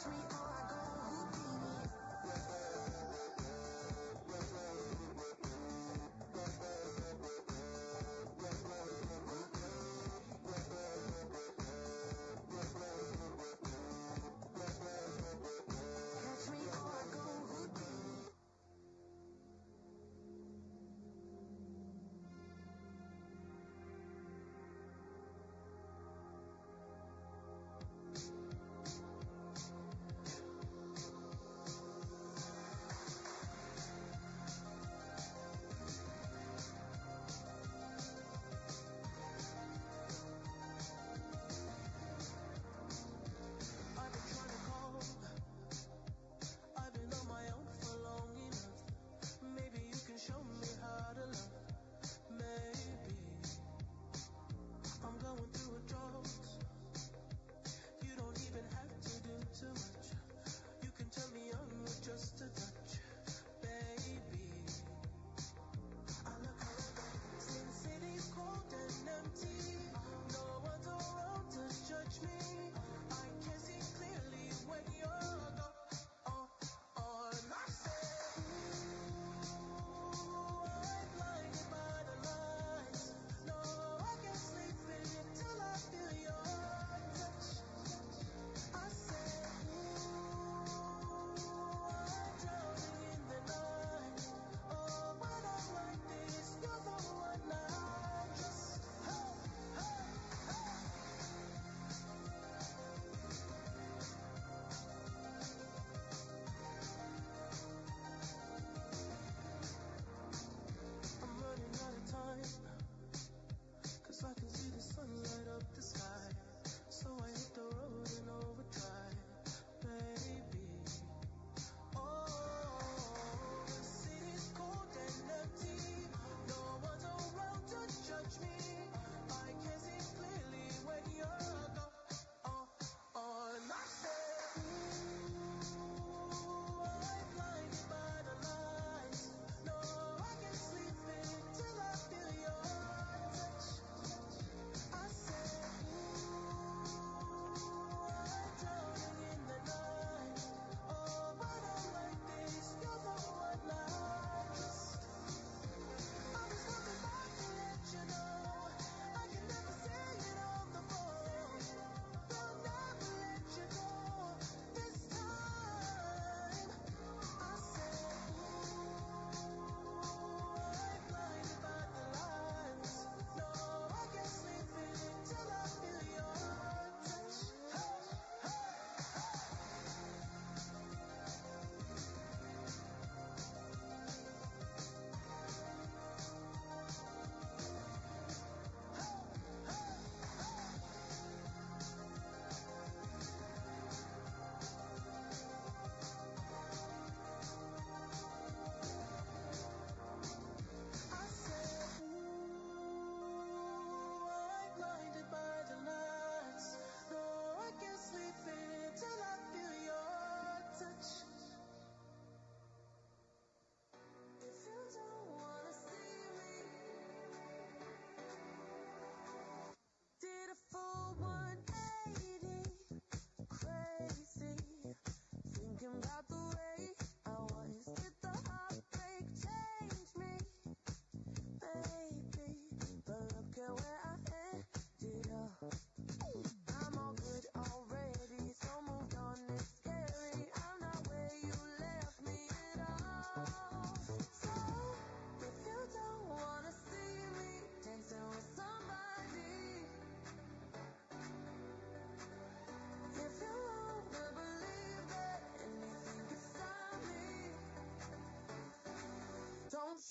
All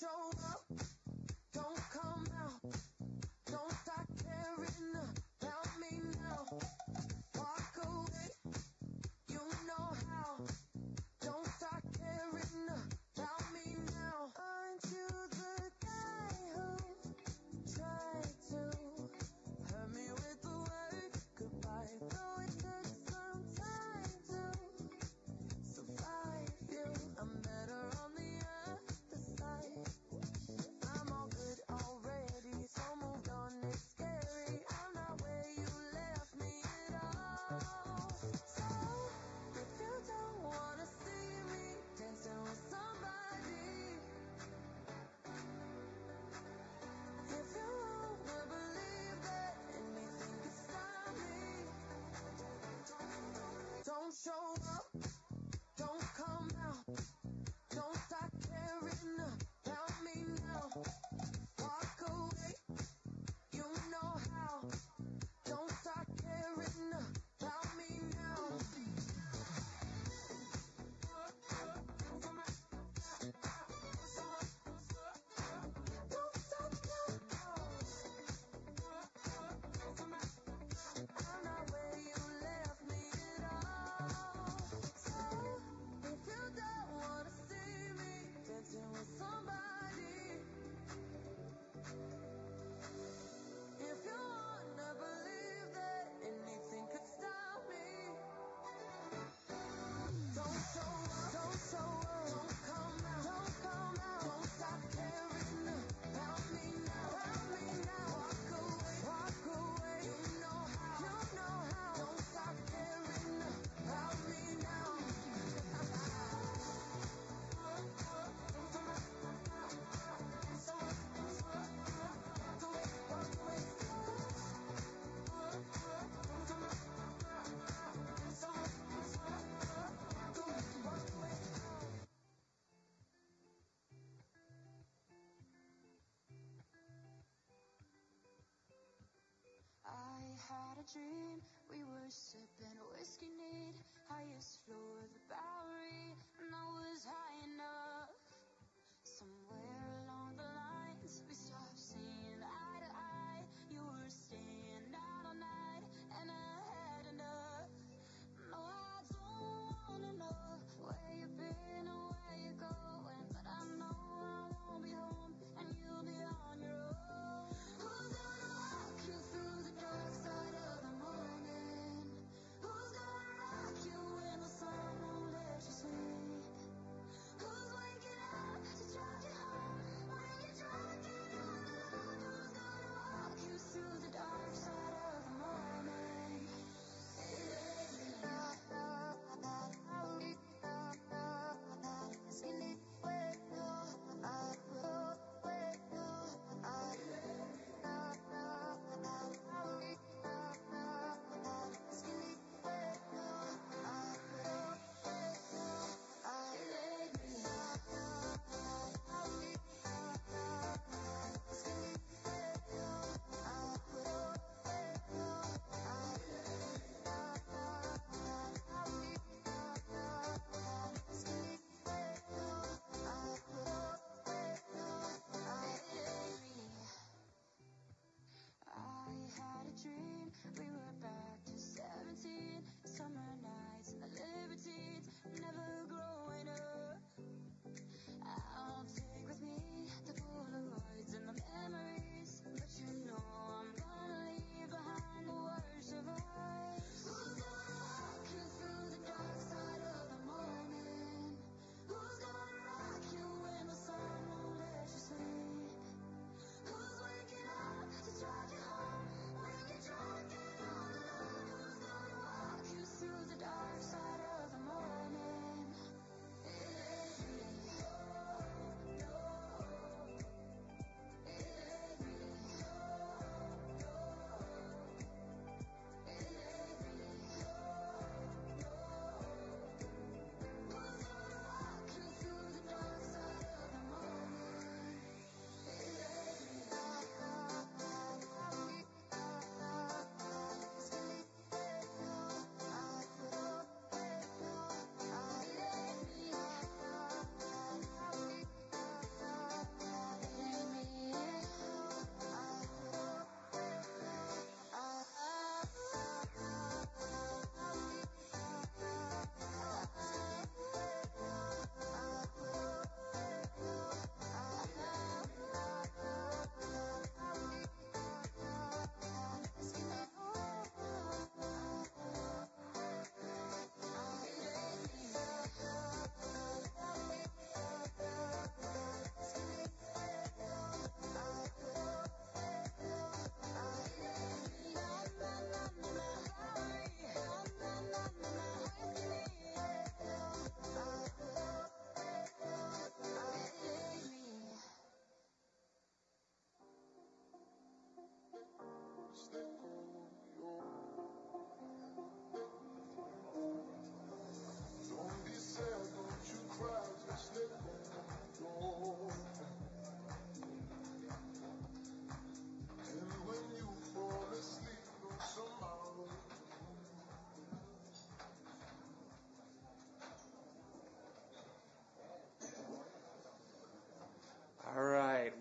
right.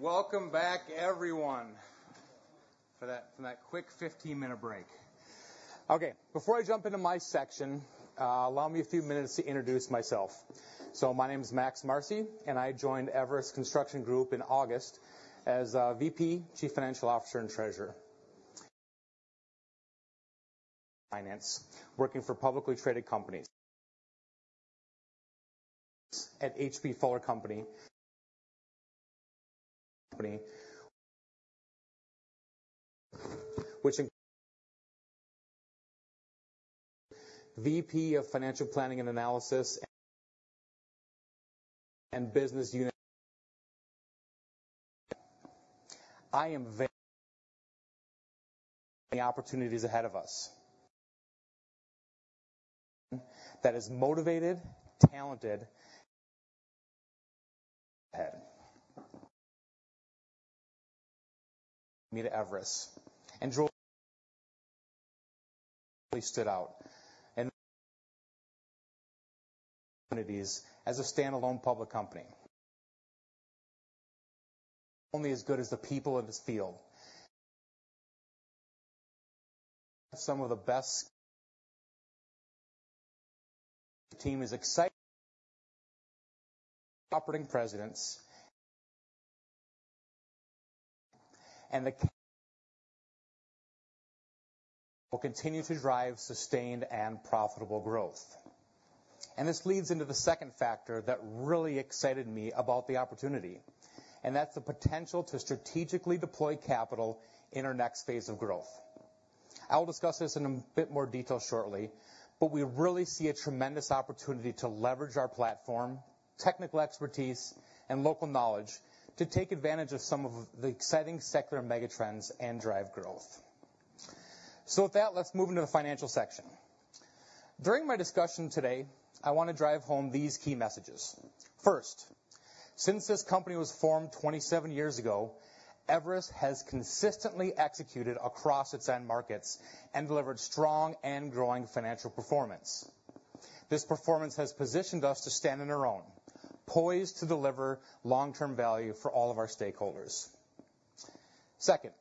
Welcome back, everyone, after that quick fifteen-minute break. Okay, before I jump into my section, allow me a few minutes to introduce myself. So my name is Max Marcy, and I joined Everus Construction Group in August as VP, Chief Financial Officer, and Treasurer. Finance, working for publicly traded companies. At H.B. Fuller Company. VP of Financial Planning and Analysis and Business Unit. I am very the opportunities ahead of us. That is motivated, talented. Me to Everus and drew. Really stood out and opportunities as a standalone public company. Only as good as the people in this field. Some of the best. The team is excited. Operating presidents. And the will continue to drive sustained and profitable growth. And this leads into the second factor that really excited me about the opportunity, and that's the potential to strategically deploy capital in our next phase of growth. I will discuss this in a bit more detail shortly, but we really see a tremendous opportunity to leverage our platform, technical expertise, and local knowledge to take advantage of some of the exciting secular megatrends and drive growth. So with that, let's move into the financial section. During my discussion today, I wanna drive home these key messages. First, since this company was formed 27 years ago, Everus has consistently executed across its end markets and delivered strong and growing financial performance. This performance has positioned us to stand on our own, poised to deliver long-term value for all of our stakeholders. Second,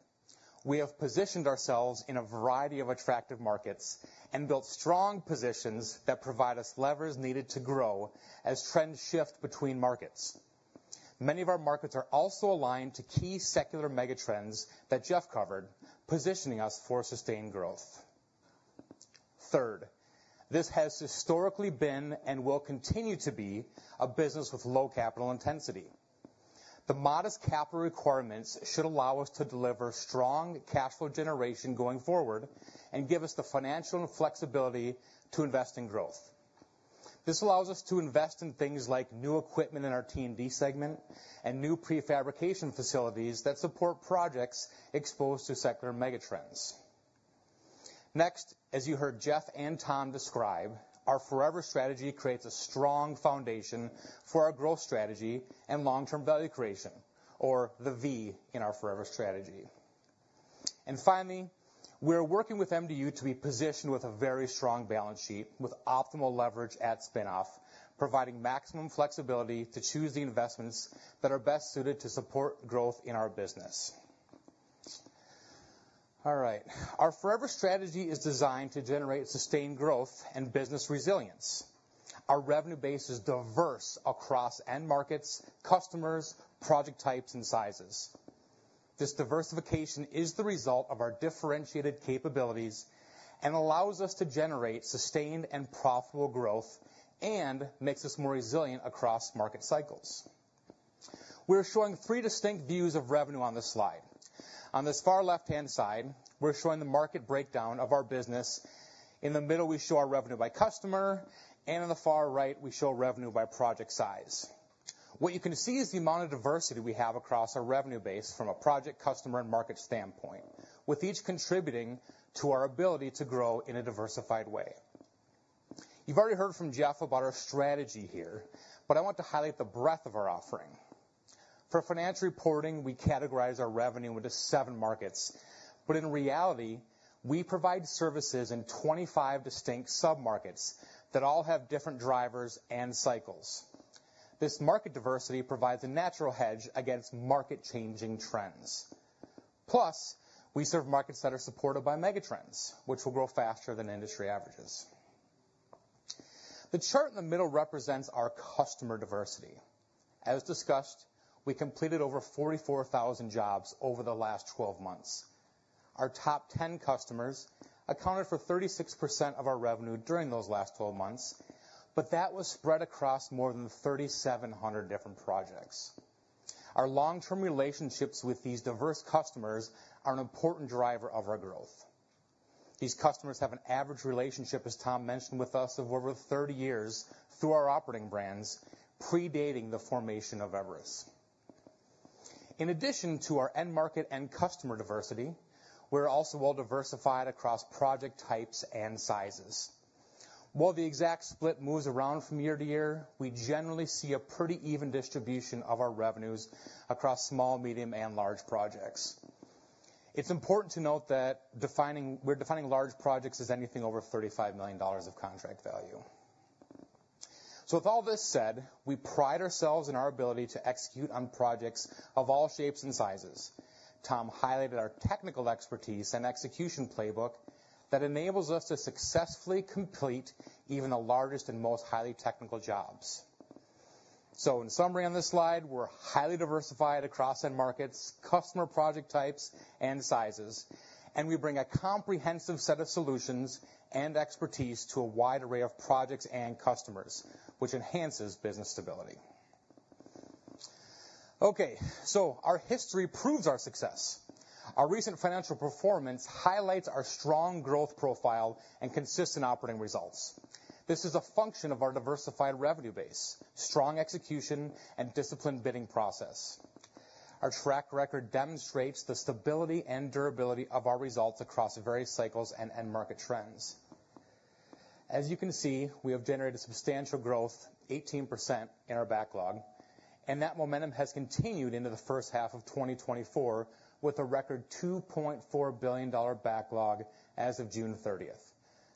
we have positioned ourselves in a variety of attractive markets and built strong positions that provide us levers needed to grow as trends shift between markets. Many of our markets are also aligned to key secular megatrends that Jeff covered, positioning us for sustained growth. Third, this has historically been, and will continue to be, a business with low capital intensity. The modest capital requirements should allow us to deliver strong cash flow generation going forward and give us the financial flexibility to invest in growth. This allows us to invest in things like new equipment in our T&D segment and new prefabrication facilities that support projects exposed to secular megatrends. Next, as you heard Jeff and Tom describe, our Forever Strategy creates a strong foundation for our growth strategy and long-term value creation, or the V in our Forever Strategy. Finally, we are working with MDU to be positioned with a very strong balance sheet, with optimal leverage at spin-off, providing maximum flexibility to choose the investments that are best suited to support growth in our business. All right. Our Forever Strategy is designed to generate sustained growth and business resilience. Our revenue base is diverse across end markets, customers, project types, and sizes. This diversification is the result of our differentiated capabilities and allows us to generate sustained and profitable growth and makes us more resilient across market cycles. We're showing three distinct views of revenue on this slide. On this far left-hand side, we're showing the market breakdown of our business. In the middle, we show our revenue by customer, and on the far right, we show revenue by project size. What you can see is the amount of diversity we have across our revenue base from a project, customer, and market standpoint, with each contributing to our ability to grow in a diversified way. You've already heard from Jeff about our strategy here, but I want to highlight the breadth of our offering. For financial reporting, we categorize our revenue into seven markets, but in reality, we provide services in twenty-five distinct sub-markets that all have different drivers and cycles. This market diversity provides a natural hedge against market-changing trends. Plus, we serve markets that are supported by megatrends, which will grow faster than industry averages. The chart in the middle represents our customer diversity. As discussed, we completed over 44,000 jobs over the last 12 months. Our top 10 customers accounted for 36% of our revenue during those last 12 months, but that was spread across more than 3,700 different projects. Our long-term relationships with these diverse customers are an important driver of our growth. These customers have an average relationship, as Tom mentioned, with us of over 30 years through our operating brands, predating the formation of Everus. In addition to our end market and customer diversity, we're also well diversified across project types and sizes. While the exact split moves around from year to year, we generally see a pretty even distribution of our revenues across small, medium, and large projects. It's important to note that we're defining large projects as anything over $35 million of contract value. So with all this said, we pride ourselves in our ability to execute on projects of all shapes and sizes. Tom highlighted our technical expertise and execution playbook that enables us to successfully complete even the largest and most highly technical jobs. So in summary, on this slide, we're highly diversified across end markets, customer project types and sizes, and we bring a comprehensive set of solutions and expertise to a wide array of projects and customers, which enhances business stability. Okay, so our history proves our success. Our recent financial performance highlights our strong growth profile and consistent operating results. This is a function of our diversified revenue base, strong execution, and disciplined bidding process. Our track record demonstrates the stability and durability of our results across various cycles and end market trends. As you can see, we have generated substantial growth, 18% in our backlog, and that momentum has continued into the first half of 2024, with a record $2.4 billion backlog as of June thirtieth,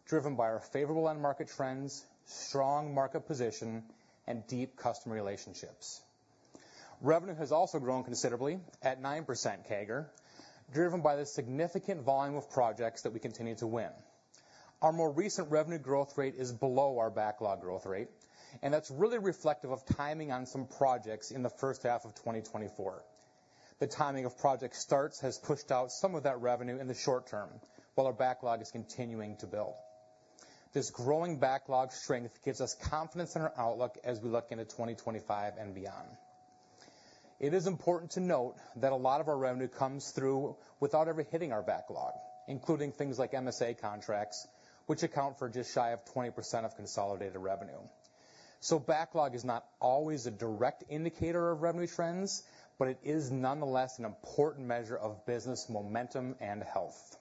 driven by our favorable end market trends, strong market position, and deep customer relationships. Revenue has also grown considerably at 9% CAGR, driven by the significant volume of projects that we continue to win. Our more recent revenue growth rate is below our backlog growth rate, and that's really reflective of timing on some projects in the first half of 2024. The timing of project starts has pushed out some of that revenue in the short term, while our backlog is continuing to build. This growing backlog strength gives us confidence in our outlook as we look into 2025 and beyond. It is important to note that a lot of our revenue comes through without ever hitting our backlog, including things like MSA contracts, which account for just shy of 20% of consolidated revenue. So backlog is not always a direct indicator of revenue trends, but it is nonetheless an important measure of business momentum and health.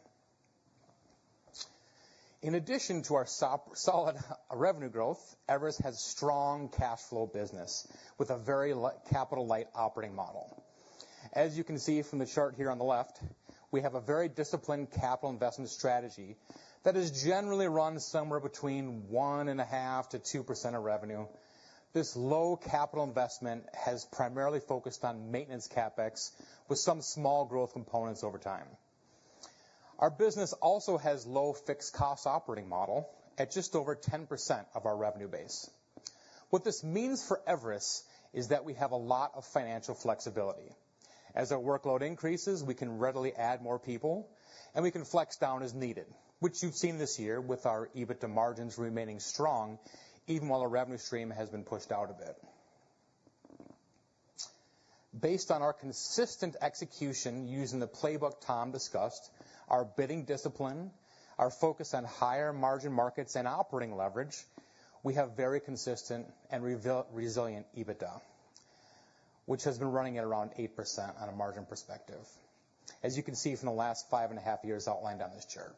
In addition to our solid revenue growth, Everus has strong cash flow business with a very capital-light operating model. As you can see from the chart here on the left, we have a very disciplined capital investment strategy that is generally run somewhere between 1.5%-2% of revenue. This low capital investment has primarily focused on maintenance CapEx, with some small growth components over time. Our business also has low fixed costs operating model at just over 10% of our revenue base. What this means for Everus is that we have a lot of financial flexibility. As our workload increases, we can readily add more people, and we can flex down as needed, which you've seen this year with our EBITDA margins remaining strong, even while our revenue stream has been pushed out a bit. Based on our consistent execution using the playbook Tom discussed, our bidding discipline, our focus on higher margin markets and operating leverage, we have very consistent and resilient EBITDA, which has been running at around 8% on a margin perspective. As you can see from the last five and a half years outlined on this chart.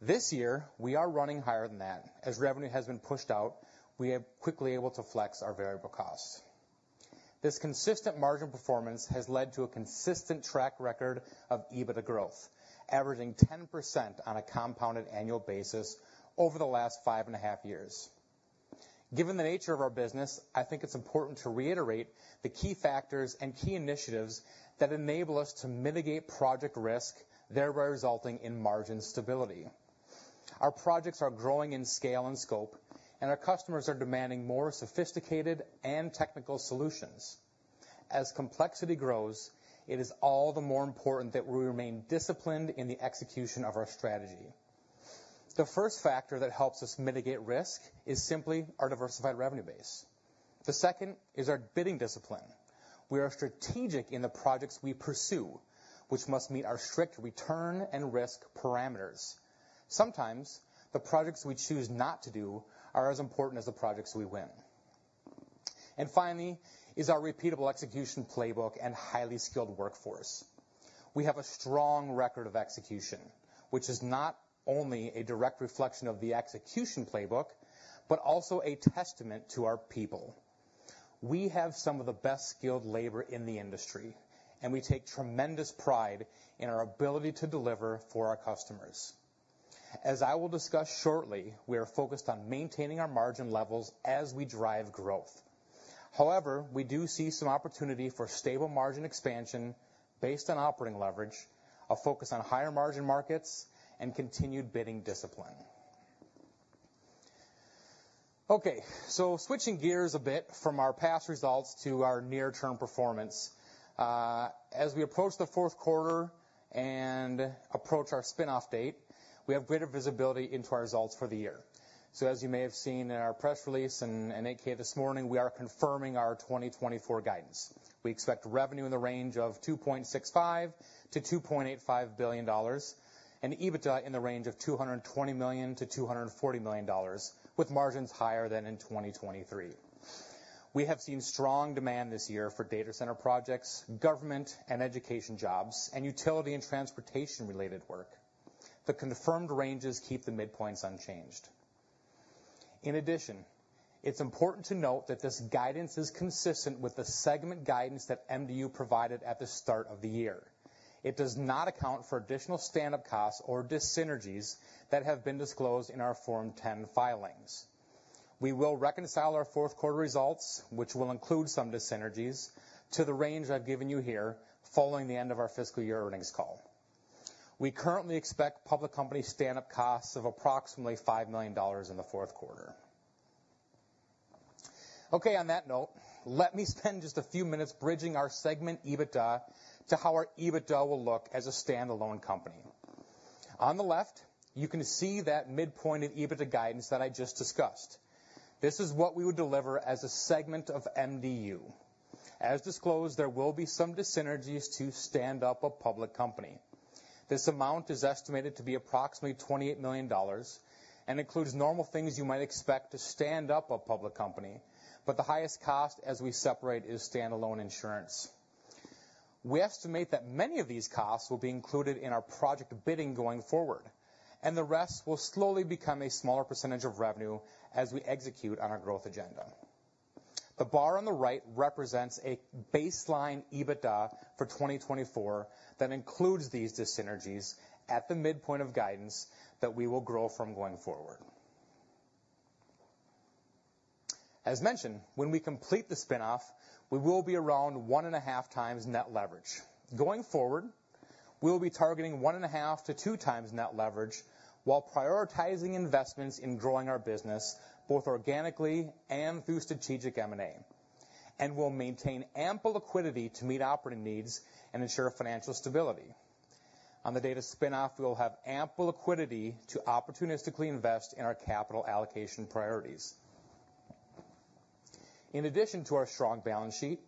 This year, we are running higher than that. As revenue has been pushed out, we are quickly able to flex our variable costs. This consistent margin performance has led to a consistent track record of EBITDA growth, averaging 10% on a compounded annual basis over the last five and a half years. Given the nature of our business, I think it's important to reiterate the key factors and key initiatives that enable us to mitigate project risk, thereby resulting in margin stability. Our projects are growing in scale and scope, and our customers are demanding more sophisticated and technical solutions. As complexity grows, it is all the more important that we remain disciplined in the execution of our strategy. The first factor that helps us mitigate risk is simply our diversified revenue base. The second is our bidding discipline. We are strategic in the projects we pursue, which must meet our strict return and risk parameters. Sometimes, the projects we choose not to do are as important as the projects we win. Finally, is our repeatable execution playbook and highly skilled workforce. We have a strong record of execution, which is not only a direct reflection of the execution playbook, but also a testament to our people. We have some of the best-skilled labor in the industry, and we take tremendous pride in our ability to deliver for our customers. As I will discuss shortly, we are focused on maintaining our margin levels as we drive growth. However, we do see some opportunity for stable margin expansion based on operating leverage, a focus on higher margin markets, and continued bidding discipline. Okay, so switching gears a bit from our past results to our near-term performance. As we approach the fourth quarter and approach our spin-off date, we have greater visibility into our results for the year. As you may have seen in our press release and 8-K this morning, we are confirming our 2024 guidance. We expect revenue in the range of $2.65-$2.85 billion, and EBITDA in the range of $220-$240 million, with margins higher than in 2023. We have seen strong demand this year for data center projects, government and education jobs, and utility and transportation-related work. The confirmed ranges keep the midpoints unchanged. In addition, it is important to note that this guidance is consistent with the segment guidance that MDU provided at the start of the year. It does not account for additional stand-up costs or dyssynergies that have been disclosed in our Form 10 filings. We will reconcile our fourth quarter results, which will include some dyssynergies, to the range I've given you here following the end of our fiscal year earnings call. We currently expect public company stand-up costs of approximately $5 million in the fourth quarter. Okay, on that note, let me spend just a few minutes bridging our segment EBITDA to how our EBITDA will look as a standalone company. On the left, you can see that midpoint of EBITDA guidance that I just discussed. This is what we would deliver as a segment of MDU. As disclosed, there will be some dyssynergies to stand up a public company. This amount is estimated to be approximately $28 million and includes normal things you might expect to stand up a public company, but the highest cost as we separate is standalone insurance. We estimate that many of these costs will be included in our project bidding going forward, and the rest will slowly become a smaller percentage of revenue as we execute on our growth agenda. The bar on the right represents a baseline EBITDA for 2024 that includes these dyssynergies at the midpoint of guidance that we will grow from going forward. As mentioned, when we complete the spin-off, we will be around one and a half times net leverage. Going forward, we'll be targeting one and a half to two times net leverage while prioritizing investments in growing our business, both organically and through strategic M&A, and we'll maintain ample liquidity to meet operating needs and ensure financial stability. On the date of spin-off, we will have ample liquidity to opportunistically invest in our capital allocation priorities. In addition to our strong balance sheet,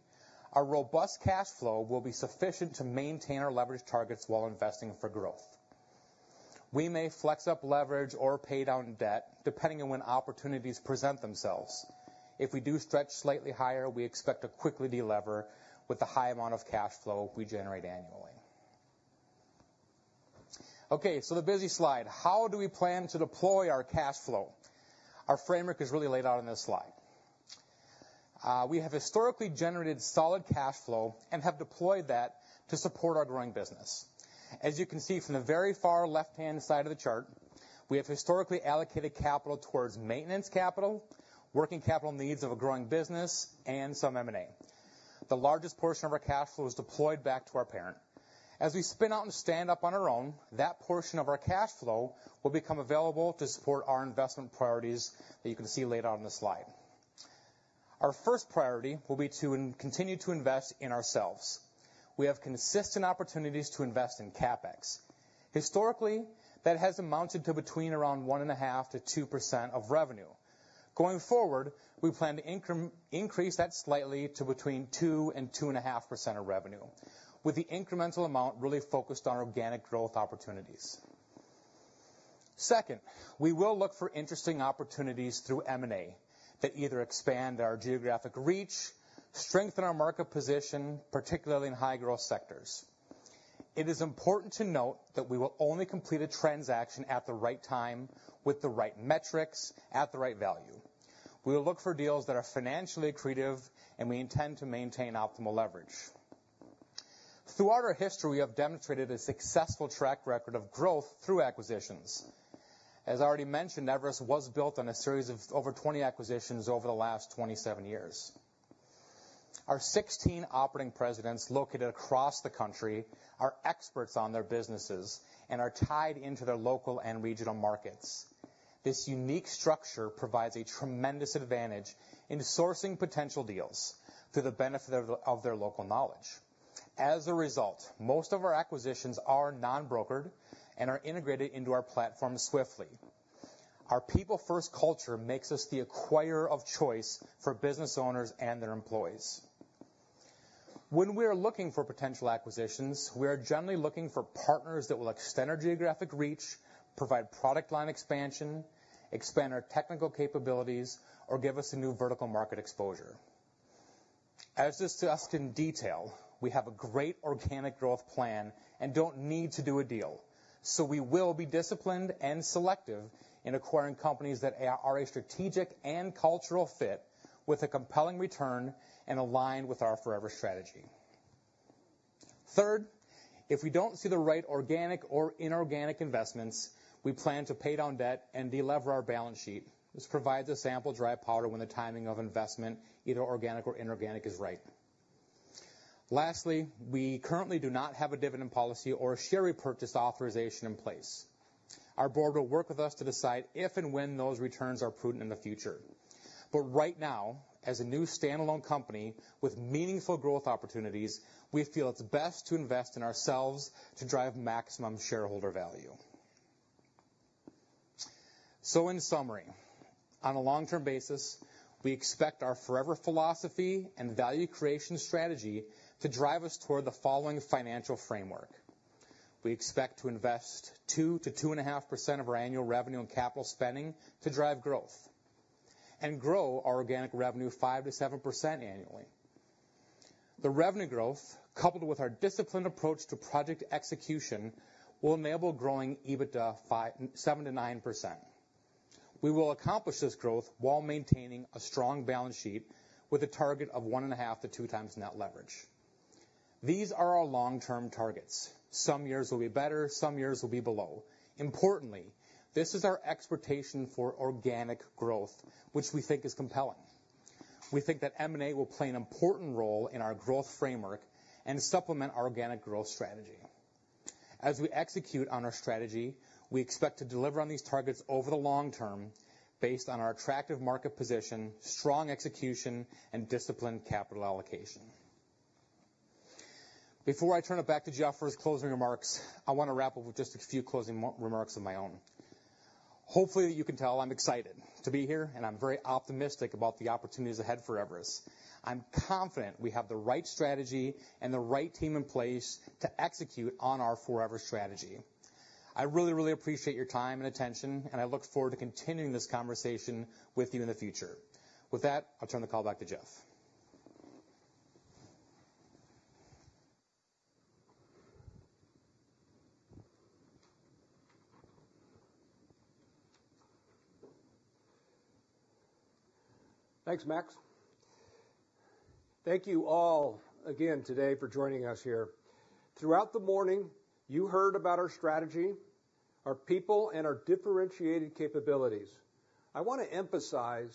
our robust cash flow will be sufficient to maintain our leverage targets while investing for growth. We may flex up leverage or pay down debt, depending on when opportunities present themselves. If we do stretch slightly higher, we expect to quickly delever with the high amount of cash flow we generate annually. Okay, so the busy slide. How do we plan to deploy our cash flow? Our framework is really laid out on this slide. We have historically generated solid cash flow and have deployed that to support our growing business. As you can see from the very far left-hand side of the chart, we have historically allocated capital towards maintenance capital, working capital needs of a growing business, and some M&A. The largest portion of our cash flow is deployed back to our parent. As we spin out and stand up on our own, that portion of our cash flow will become available to support our investment priorities that you can see later on in the slide. Our first priority will be to continue to invest in ourselves. We have consistent opportunities to invest in CapEx. Historically, that has amounted to between around 1.5%-2% of revenue. Going forward, we plan to increase that slightly to between 2%-2.5% of revenue, with the incremental amount really focused on organic growth opportunities. Second, we will look for interesting opportunities through M&A that either expand our geographic reach, strengthen our market position, particularly in high-growth sectors. It is important to note that we will only complete a transaction at the right time, with the right metrics, at the right value. We will look for deals that are financially accretive, and we intend to maintain optimal leverage. Throughout our history, we have demonstrated a successful track record of growth through acquisitions. As I already mentioned, Everus was built on a series of over twenty acquisitions over the last 27 years. Our sixteen operating presidents, located across the country, are experts on their businesses and are tied into their local and regional markets. This unique structure provides a tremendous advantage in sourcing potential deals through the benefit of their local knowledge. As a result, most of our acquisitions are non-brokered and are integrated into our platform swiftly. Our people-first culture makes us the acquirer of choice for business owners and their employees. When we are looking for potential acquisitions, we are generally looking for partners that will extend our geographic reach, provide product line expansion, expand our technical capabilities, or give us a new vertical market exposure. As discussed in detail, we have a great organic growth plan and don't need to do a deal, so we will be disciplined and selective in acquiring companies that are a strategic and cultural fit with a compelling return and aligned with our forever strategy. Third, if we don't see the right organic or inorganic investments, we plan to pay down debt and delever our balance sheet. This provides ample dry powder when the timing of investment, either organic or inorganic, is right. Lastly, we currently do not have a dividend policy or share repurchase authorization in place. Our board will work with us to decide if and when those returns are prudent in the future. But right now, as a new standalone company with meaningful growth opportunities, we feel it's best to invest in ourselves to drive maximum shareholder value. So in summary, on a long-term basis, we expect our Forever philosophy and value creation strategy to drive us toward the following financial framework. We expect to invest 2-2.5% of our annual revenue and capital spending to drive growth and grow our organic revenue 5-7% annually. The revenue growth, coupled with our disciplined approach to project execution, will enable growing EBITDA 7-9%. We will accomplish this growth while maintaining a strong balance sheet with a target of 1.5-2 times net leverage. These are our long-term targets. Some years will be better, some years will be below. Importantly, this is our expectation for organic growth, which we think is compelling. We think that M&A will play an important role in our growth framework and supplement our organic growth strategy. As we execute on our strategy, we expect to deliver on these targets over the long term based on our attractive market position, strong execution, and disciplined capital allocation. Before I turn it back to Jeff for his closing remarks, I want to wrap up with just a few closing remarks of my own. Hopefully, you can tell I'm excited to be here, and I'm very optimistic about the opportunities ahead for Everus. I'm confident we have the right strategy and the right team in place to execute on our forever strategy. I really, really appreciate your time and attention, and I look forward to continuing this conversation with you in the future. With that, I'll turn the call back to Jeff. Thanks, Max. Thank you all again today for joining us here. Throughout the morning, you heard about our strategy, our people, and our differentiated capabilities. I want to emphasize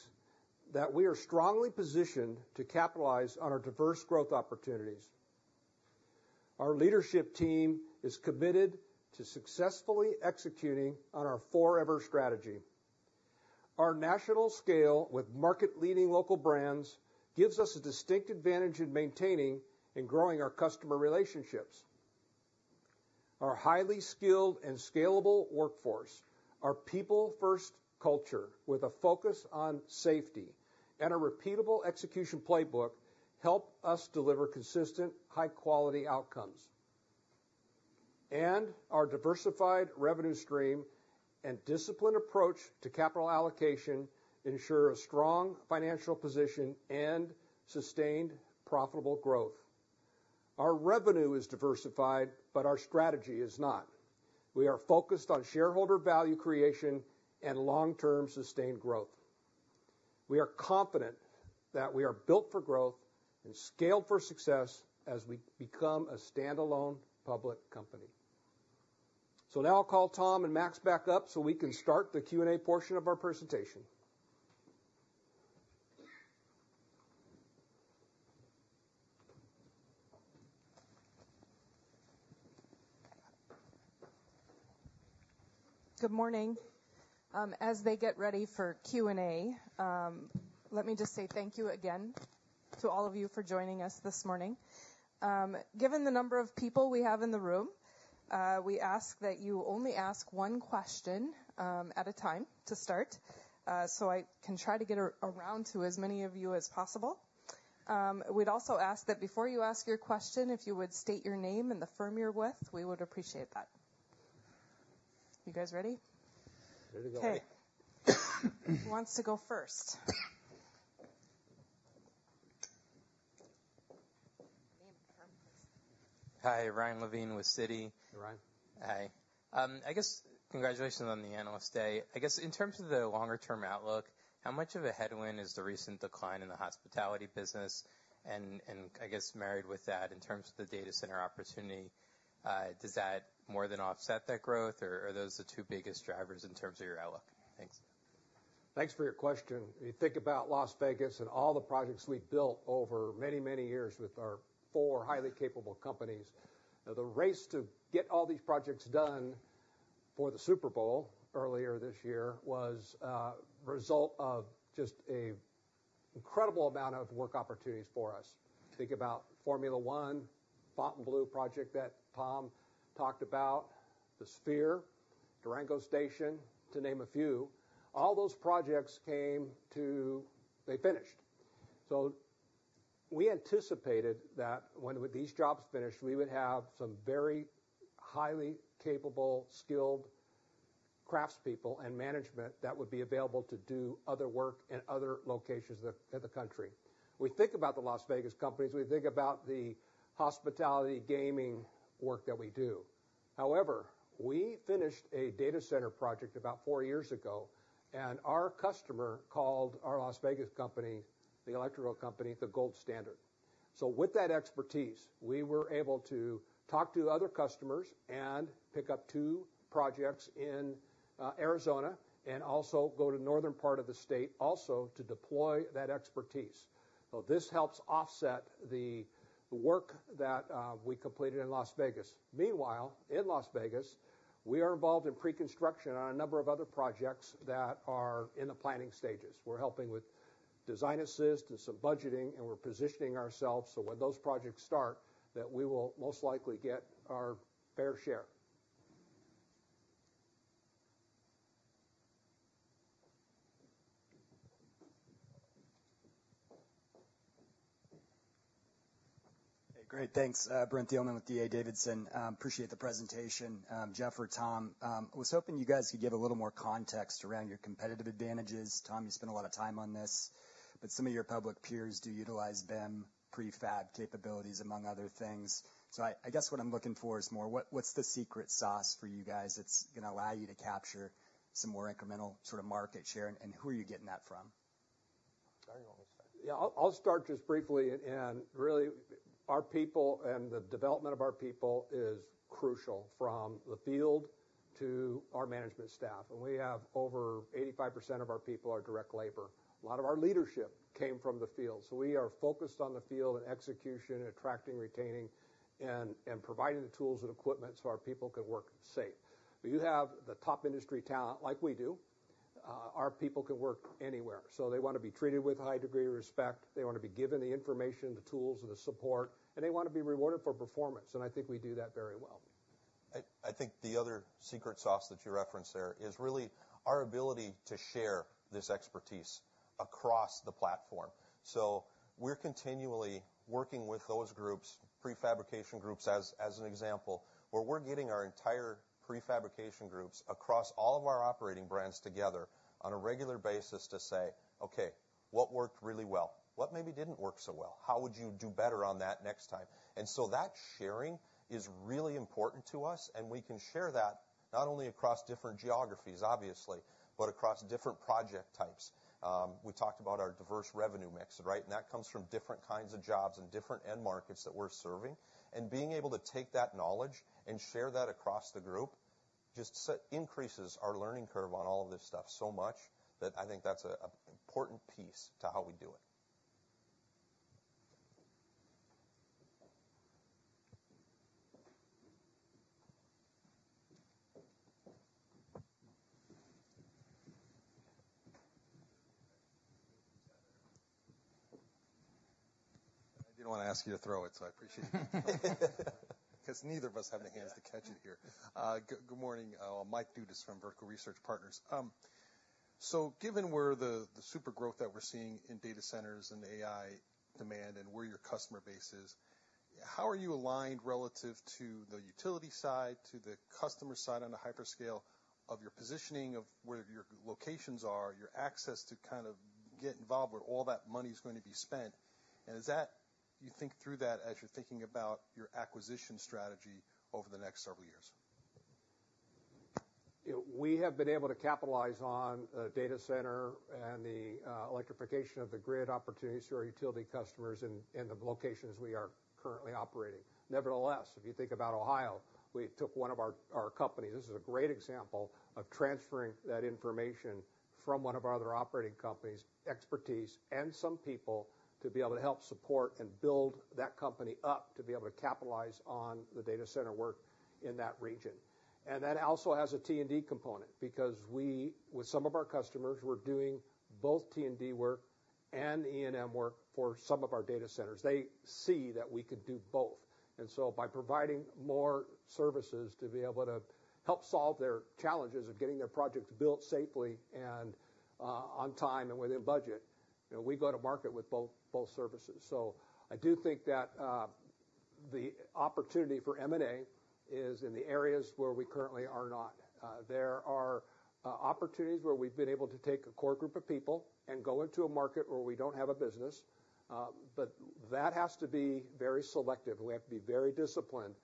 that we are strongly positioned to capitalize on our diverse growth opportunities. Our leadership team is committed to successfully executing on our Forever Strategy.... Our national scale with market-leading local brands gives us a distinct advantage in maintaining and growing our customer relationships. Our highly skilled and scalable workforce, our people-first culture with a focus on safety, and a repeatable execution playbook, help us deliver consistent, high-quality outcomes, and our diversified revenue stream and disciplined approach to Capital Allocation ensure a strong financial position and sustained profitable growth. Our revenue is diversified, but our strategy is not. We are focused on shareholder value creation and long-term sustained growth. We are confident that we are built for growth and scaled for success as we become a standalone public company. Now I'll call Tom and Max back up, so we can start the Q&A portion of our presentation. Good morning. As they get ready for Q&A, let me just say thank you again to all of you for joining us this morning. Given the number of people we have in the room, we ask that you only ask one question at a time to start, so I can try to get around to as many of you as possible. We'd also ask that before you ask your question, if you would state your name and the firm you're with, we would appreciate that. You guys ready? Ready to go. Okay. Who wants to go first? Hi, Ryan Levine with Citi. Hi, Ryan. Hi. I guess congratulations on the Analyst Day. I guess, in terms of the longer-term outlook, how much of a headwind is the recent decline in the hospitality business? And I guess married with that, in terms of the data center opportunity, does that more than offset that growth, or are those the two biggest drivers in terms of your outlook? Thanks. Thanks for your question. If you think about Las Vegas and all the projects we've built over many, many years with our four highly capable companies, the race to get all these projects done for the Super Bowl earlier this year was a result of just an incredible amount of work opportunities for us. Think about Formula One, Fontainebleau project that Tom talked about, the Sphere, Durango Station, to name a few. All those projects came to... They finished. So we anticipated that when these jobs finished, we would have some very highly capable, skilled craftspeople and management that would be available to do other work in other locations of the country. We think about the Las Vegas companies, we think about the hospitality, gaming work that we do. However, we finished a data center project about four years ago, and our customer called our Las Vegas company, the electrical company, the gold standard. So with that expertise, we were able to talk to other customers and pick up two projects in Arizona, and also go to the northern part of the state, also to deploy that expertise. So this helps offset the work that we completed in Las Vegas. Meanwhile, in Las Vegas, we are involved in pre-construction on a number of other projects that are in the planning stages. We're helping with design assist and some budgeting, and we're positioning ourselves, so when those projects start, that we will most likely get our fair share. Hey, great. Thanks. Brent Thielman with D.A. Davidson. Appreciate the presentation. Jeff or Tom, I was hoping you guys could give a little more context around your competitive advantages. Tom, you spent a lot of time on this, but some of your public peers do utilize BIM, prefab capabilities, among other things. So I guess what I'm looking for is more what's the secret sauce for you guys that's gonna allow you to capture some more incremental sort of market share, and who are you getting that from? I know what you said. Yeah, I'll start just briefly, and really, our people and the development of our people is crucial, from the field to our management staff, and we have over 85% of our people are direct labor. A lot of our leadership came from the field, so we are focused on the field and execution, and attracting, retaining, and providing the tools and equipment so our people can work safe. If you have the top industry talent like we do, our people can work anywhere, so they wanna be treated with a high degree of respect. They wanna be given the information, the tools, and the support, and they wanna be rewarded for performance, and I think we do that very well. I think the other secret sauce that you referenced there is really our ability to share this expertise across the platform. So we're continually working with those groups, prefabrication groups, as an example, where we're getting our entire prefabrication groups across all of our operating brands together on a regular basis to say: "Okay, what worked really well? What maybe didn't work so well? How would you do better on that next time?" And so that sharing is really important to us, and we can share that not only across different geographies, obviously, but across different project types. We talked about our diverse revenue mix, right? And that comes from different kinds of jobs and different end markets that we're serving. Being able to take that knowledge and share that across the group just increases our learning curve on all of this stuff so much, that I think that's an important piece to how we do it. ... I didn't want to ask you to throw it, so I appreciate it. Because neither of us have the hands to catch it here. Good morning. Mike Dudas from Vertical Research Partners. So given where the super growth that we're seeing in data centers and AI demand and where your customer base is, how are you aligned relative to the utility side, to the customer side on the hyperscale of your positioning, of where your locations are, your access to kind of get involved where all that money's going to be spent? And is that you think through that as you're thinking about your acquisition strategy over the next several years? You know, we have been able to capitalize on, data center and the, electrification of the grid opportunities for our utility customers in the locations we are currently operating. Nevertheless, if you think about Ohio, we took one of our companies. This is a great example of transferring that information from one of our other operating companies' expertise and some people, to be able to help support and build that company up, to be able to capitalize on the data center work in that region. And that also has a T&D component, because we, with some of our customers, we're doing both T&D work and E&M work for some of our data centers. They see that we could do both. And so by providing more services to be able to help solve their challenges of getting their projects built safely and on time and within budget, you know, we go to market with both, both services. So I do think that the opportunity for M&A is in the areas where we currently are not. There are opportunities where we've been able to take a core group of people and go into a market where we don't have a business, but that has to be very selective. We have to be very disciplined,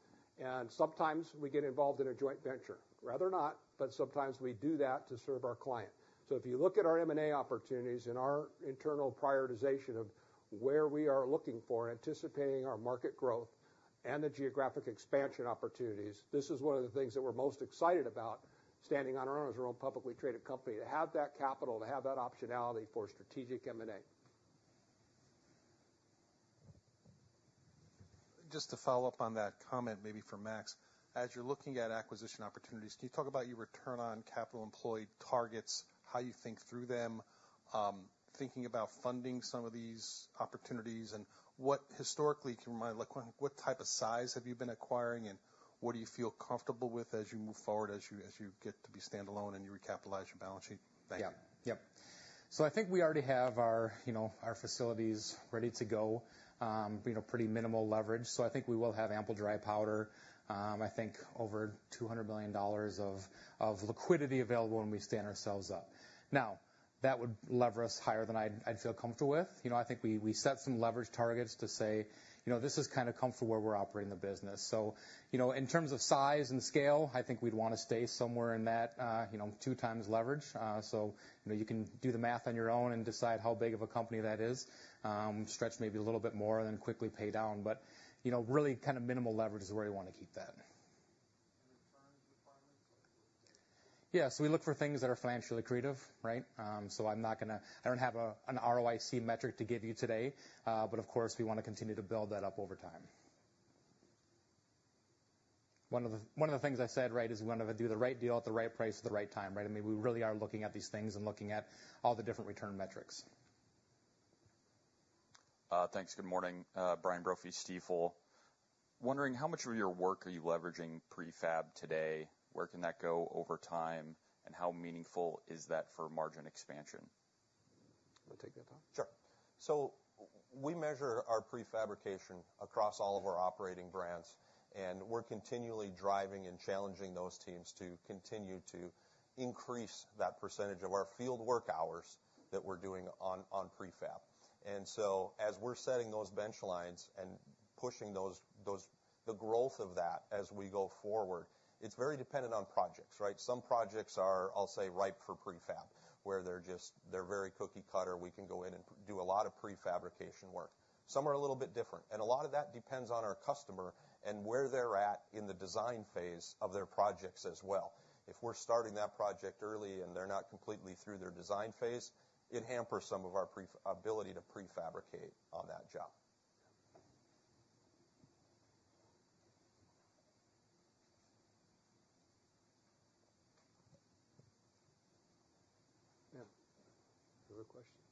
and sometimes we get involved in a joint venture. Rather not, but sometimes we do that to serve our client. So, if you look at our M&A opportunities and our internal prioritization of where we are looking for, anticipating our market growth and the geographic expansion opportunities, this is one of the things that we're most excited about, standing on our own as our own publicly traded company, to have that capital, to have that optionality for strategic M&A. Just to follow up on that comment, maybe for Max. As you're looking at acquisition opportunities, can you talk about your return on capital employed targets, how you think through them, thinking about funding some of these opportunities? And what historically, come to mind, like, what type of size have you been acquiring, and what do you feel comfortable with as you move forward, as you get to be standalone and you recapitalize your balance sheet? Thank you. Yeah. Yep. So I think we already have our, you know, our facilities ready to go, you know, pretty minimal leverage. So I think we will have ample dry powder, I think over $200 million of liquidity available when we stand ourselves up. Now, that would lever us higher than I'd feel comfortable with. You know, I think we set some leverage targets to say, "You know, this is kind of comfortable where we're operating the business." So, you know, in terms of size and scale, I think we'd want to stay somewhere in that, you know, two times leverage. So, you know, you can do the math on your own and decide how big of a company that is. Stretch maybe a little bit more than quickly pay down, but, you know, really kind of minimal leverage is where we want to keep that. Return requirements? Yes, we look for things that are financially creative, right? So I don't have an ROIC metric to give you today, but of course, we wanna continue to build that up over time. One of the things I said, right, is we want to do the right deal at the right price at the right time, right? I mean, we really are looking at these things and looking at all the different return metrics. Thanks. Good morning. Brian Brophy, Stifel. Wondering how much of your work are you leveraging prefab today? Where can that go over time, and how meaningful is that for margin expansion? Want to take that, Tom? Sure. So we measure our prefabrication across all of our operating brands, and we're continually driving and challenging those teams to continue to increase that percentage of our field work hours that we're doing on prefab. And so as we're setting those baselines and pushing the growth of that as we go forward, it's very dependent on projects, right? Some projects are, I'll say, ripe for prefab, where they're very cookie cutter. We can go in and do a lot of prefabrication work. Some are a little bit different, and a lot of that depends on our customer and where they're at in the design phase of their projects as well. If we're starting that project early and they're not completely through their design phase, it hampers some of our ability to prefabricate on that job. Yeah. Other questions?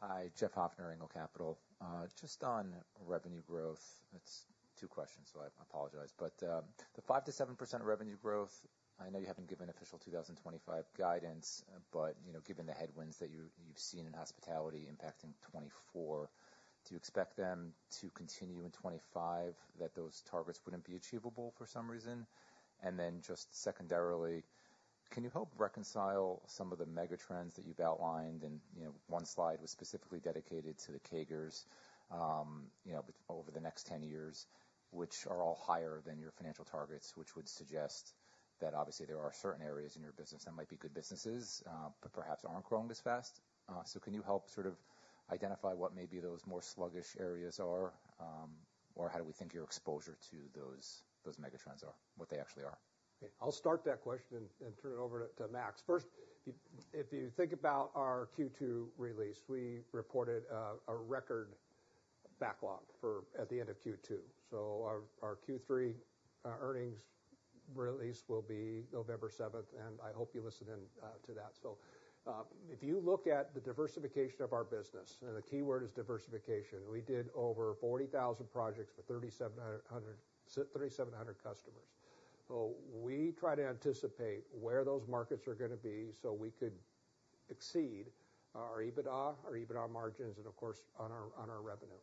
Hi, Jeff Hoffner, Engle Capital. Just on revenue growth, it's two questions, so I apologize. But, the 5%-7% revenue growth, I know you haven't given official 2025 guidance, but, you know, given the headwinds that you've seen in hospitality impacting 2024, do you expect them to continue in 2025, that those targets wouldn't be achievable for some reason? And then just secondarily, can you help reconcile some of the mega trends that you've outlined? And, you know, one slide was specifically dedicated to the CAGRs, you know, over the next 10 years, which are all higher than your financial targets, which would suggest that obviously there are certain areas in your business that might be good businesses, but perhaps aren't growing as fast. So can you help sort of identify what maybe those more sluggish areas are? or how do we think your exposure to those megatrends are, what they actually are? I'll start that question and turn it over to Max. First, if you think about our Q2 release, we reported a record backlog for at the end of Q2. So our Q3 earnings release will be November seventh, and I hope you listen in to that. So if you look at the diversification of our business, and the key word is diversification, we did over forty thousand projects for thirty-seven hundred customers. So we try to anticipate where those markets are gonna be so we could exceed our EBITDA margins, and of course, on our revenue.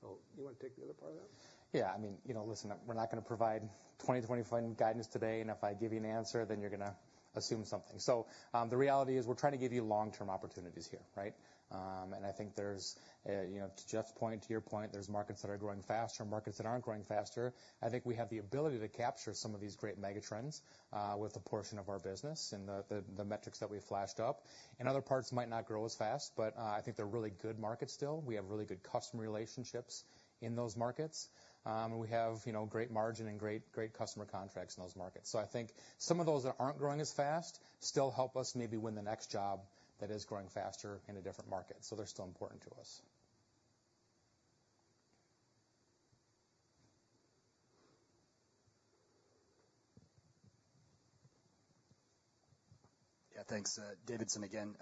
So you wanna take the other part of that? Yeah, I mean, you know, listen, we're not gonna provide 2025 guidance today, and if I give you an answer, then you're gonna assume something. So, the reality is we're trying to give you long-term opportunities here, right? And I think there's, you know, to Jeff's point, to your point, there's markets that are growing faster and markets that aren't growing faster. I think we have the ability to capture some of these great megatrends with a portion of our business and the metrics that we flashed up. And other parts might not grow as fast, but I think they're really good markets still. We have really good customer relationships in those markets. And we have, you know, great margin and great customer contracts in those markets. So I think some of those that aren't growing as fast still help us maybe win the next job that is growing faster in a different market, so they're still important to us. Yeah, thanks. Davidson again.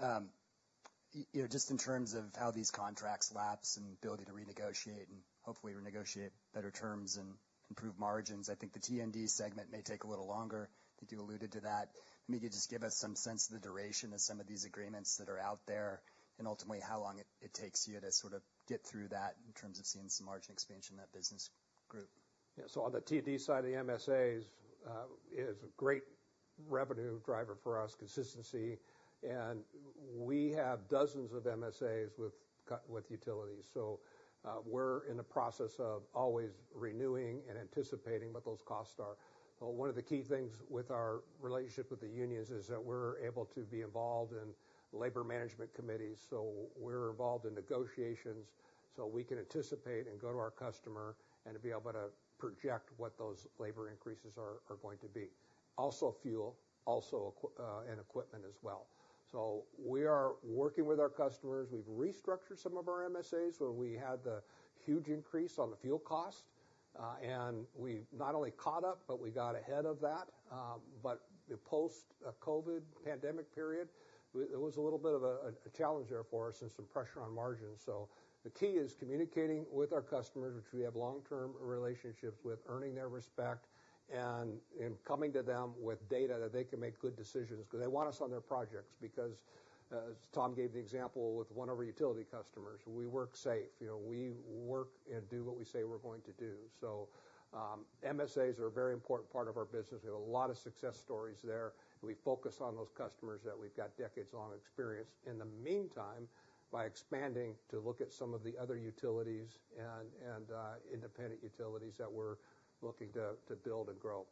You know, just in terms of how these contracts lapse and the ability to renegotiate and hopefully renegotiate better terms and improve margins, I think the T&D segment may take a little longer. I think you alluded to that. Maybe just give us some sense of the duration of some of these agreements that are out there and ultimately, how long it takes you to sort of get through that in terms of seeing some margin expansion in that business group. Yeah, so on the T&D side of the MSAs is a great revenue driver for us, consistency, and we have dozens of MSAs with utilities. So, we're in the process of always renewing and anticipating what those costs are. One of the key things with our relationship with the unions is that we're able to be involved in labor management committees, so we're involved in negotiations, so we can anticipate and go to our customer and to be able to project what those labor increases are going to be. Also fuel, also equipment as well. So we are working with our customers. We've restructured some of our MSAs, where we had the huge increase on the fuel cost, and we've not only caught up, but we got ahead of that. But the post-COVID pandemic period, it was a little bit of a challenge there for us and some pressure on margins. So the key is communicating with our customers, which we have long-term relationships with, earning their respect, and coming to them with data that they can make good decisions. Because they want us on their projects, because, as Tom gave the example with one of our utility customers, we work safe. You know, we work and do what we say we're going to do. So, MSAs are a very important part of our business. We have a lot of success stories there. We focus on those customers that we've got decades-long experience. In the meantime, by expanding to look at some of the other utilities and independent utilities that we're looking to build and grow.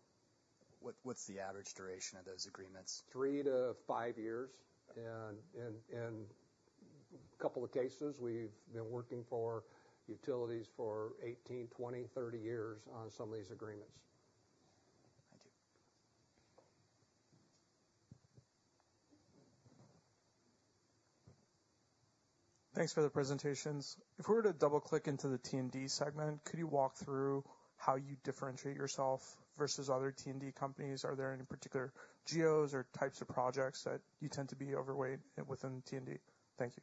What's the average duration of those agreements? Three to five years, and a couple of cases, we've been working for utilities for 18, 20, 30 years on some of these agreements. Thank you. Thanks for the presentations. If we were to double-click into the T&D segment, could you walk through how you differentiate yourself versus other T&D companies? Are there any particular geos or types of projects that you tend to be overweight within T&D? Thank you.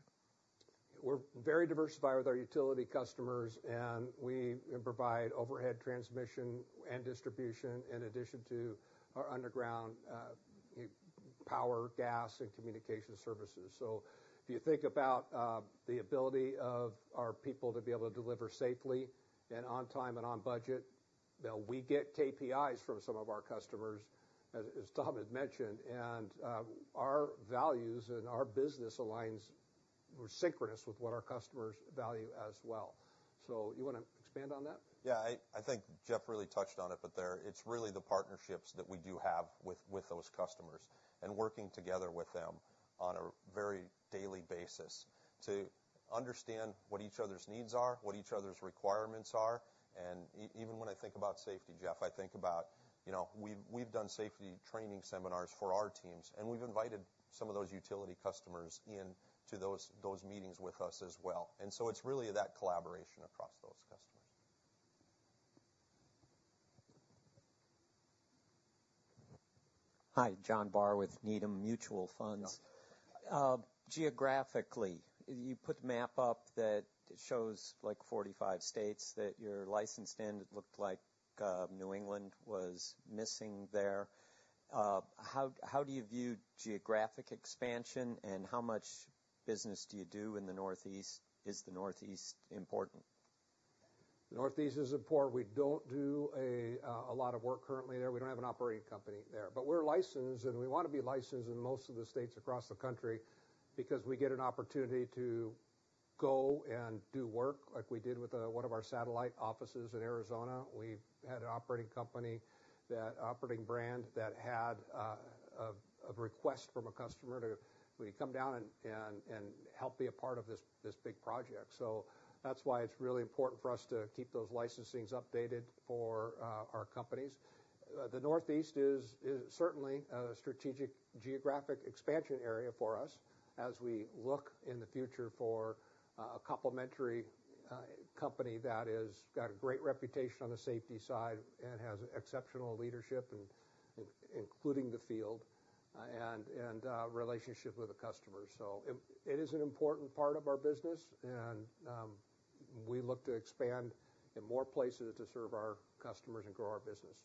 We're very diversified with our utility customers, and we provide overhead transmission and distribution in addition to our underground power, gas, and communication services. So if you think about the ability of our people to be able to deliver safely and on time and on budget, now we get KPIs from some of our customers, as Tom had mentioned, and our values and our business aligns. We're synchronous with what our customers value as well. So you wanna expand on that? Yeah, I think Jeff really touched on it, but there, it's really the partnerships that we do have with those customers and working together with them on a very daily basis to understand what each other's needs are, what each other's requirements are. And even when I think about safety, Jeff, I think about, you know, we've done safety training seminars for our teams, and we've invited some of those utility customers in to those meetings with us as well. And so it's really that collaboration across those customers. Hi, John Barr with Needham Mutual Funds. John. Geographically, you put the map up that shows, like, 45 states that you're licensed in. It looked like New England was missing there. How do you view geographic expansion, and how much business do you do in the Northeast? Is the Northeast important? Northeast is important. We don't do a lot of work currently there. We don't have an operating company there. But we're licensed, and we want to be licensed in most of the states across the country because we get an opportunity to go and do work like we did with one of our satellite offices in Arizona. We've had an operating company, that operating brand, that had a request from a customer to will you come down and help be a part of this big project. So that's why it's really important for us to keep those licensings updated for our companies. The Northeast is certainly a strategic geographic expansion area for us as we look in the future for a complementary company that has got a great reputation on the safety side and has exceptional leadership including the field and relationship with the customer, so it is an important part of our business, and we look to expand in more places to serve our customers and grow our business.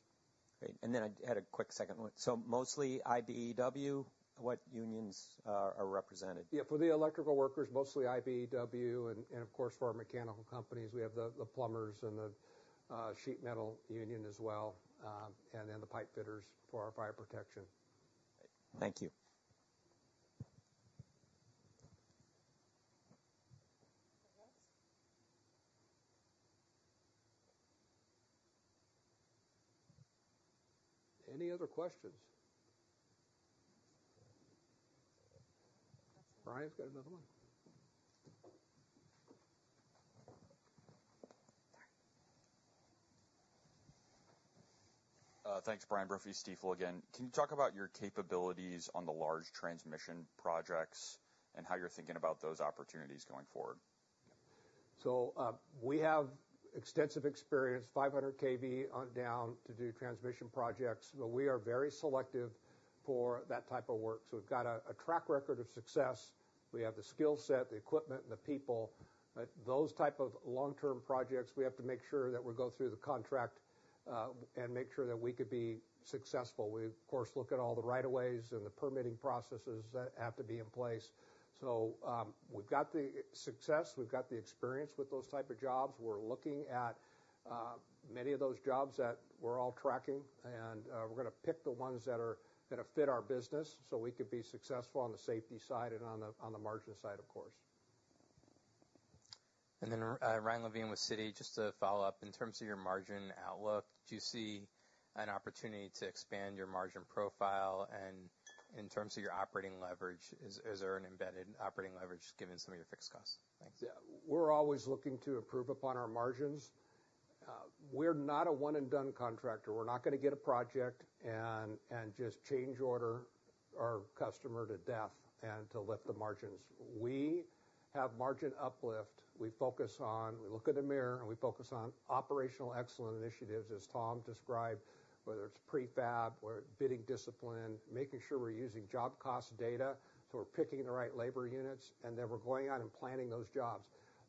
Great. And then I had a quick second one. So mostly IBEW, what unions are represented? Yeah, for the electrical workers, mostly IBEW, and of course, for our mechanical companies, we have the plumbers and the sheet metal union as well, and then the pipefitters for our fire protection. Thank you. Any other questions? Brian's got another one. Thanks, Brian Brophy, Stifel again. Can you talk about your capabilities on the large transmission projects and how you're thinking about those opportunities going forward? So, we have extensive experience, 500kV on down, to do transmission projects, but we are very selective for that type of work. So we've got a track record of success. We have the skill set, the equipment, and the people. But those type of long-term projects, we have to make sure that we go through the contract, and make sure that we could be successful. We, of course, look at all the rights of way and the permitting processes that have to be in place. So, we've got the success, we've got the experience with those type of jobs. We're looking at many of those jobs that we're all tracking, and, we're gonna pick the ones that are gonna fit our business, so we could be successful on the safety side and on the margin side, of course. And then, Ryan Levine with Citi, just to follow up, in terms of your margin outlook, do you see an opportunity to expand your margin profile? And in terms of your operating leverage, is there an embedded operating leverage given some of your fixed costs? Thanks. Yeah. We're always looking to improve upon our margins. We're not a one-and-done contractor. We're not gonna get a project and just change order our customer to death and to lift the margins. We have margin uplift. We focus on. We look in the mirror, and we focus on operational excellence initiatives, as Tom described, whether it's prefab or bidding discipline, making sure we're using job cost data, so we're picking the right labor units, and then we're going out and planning those jobs.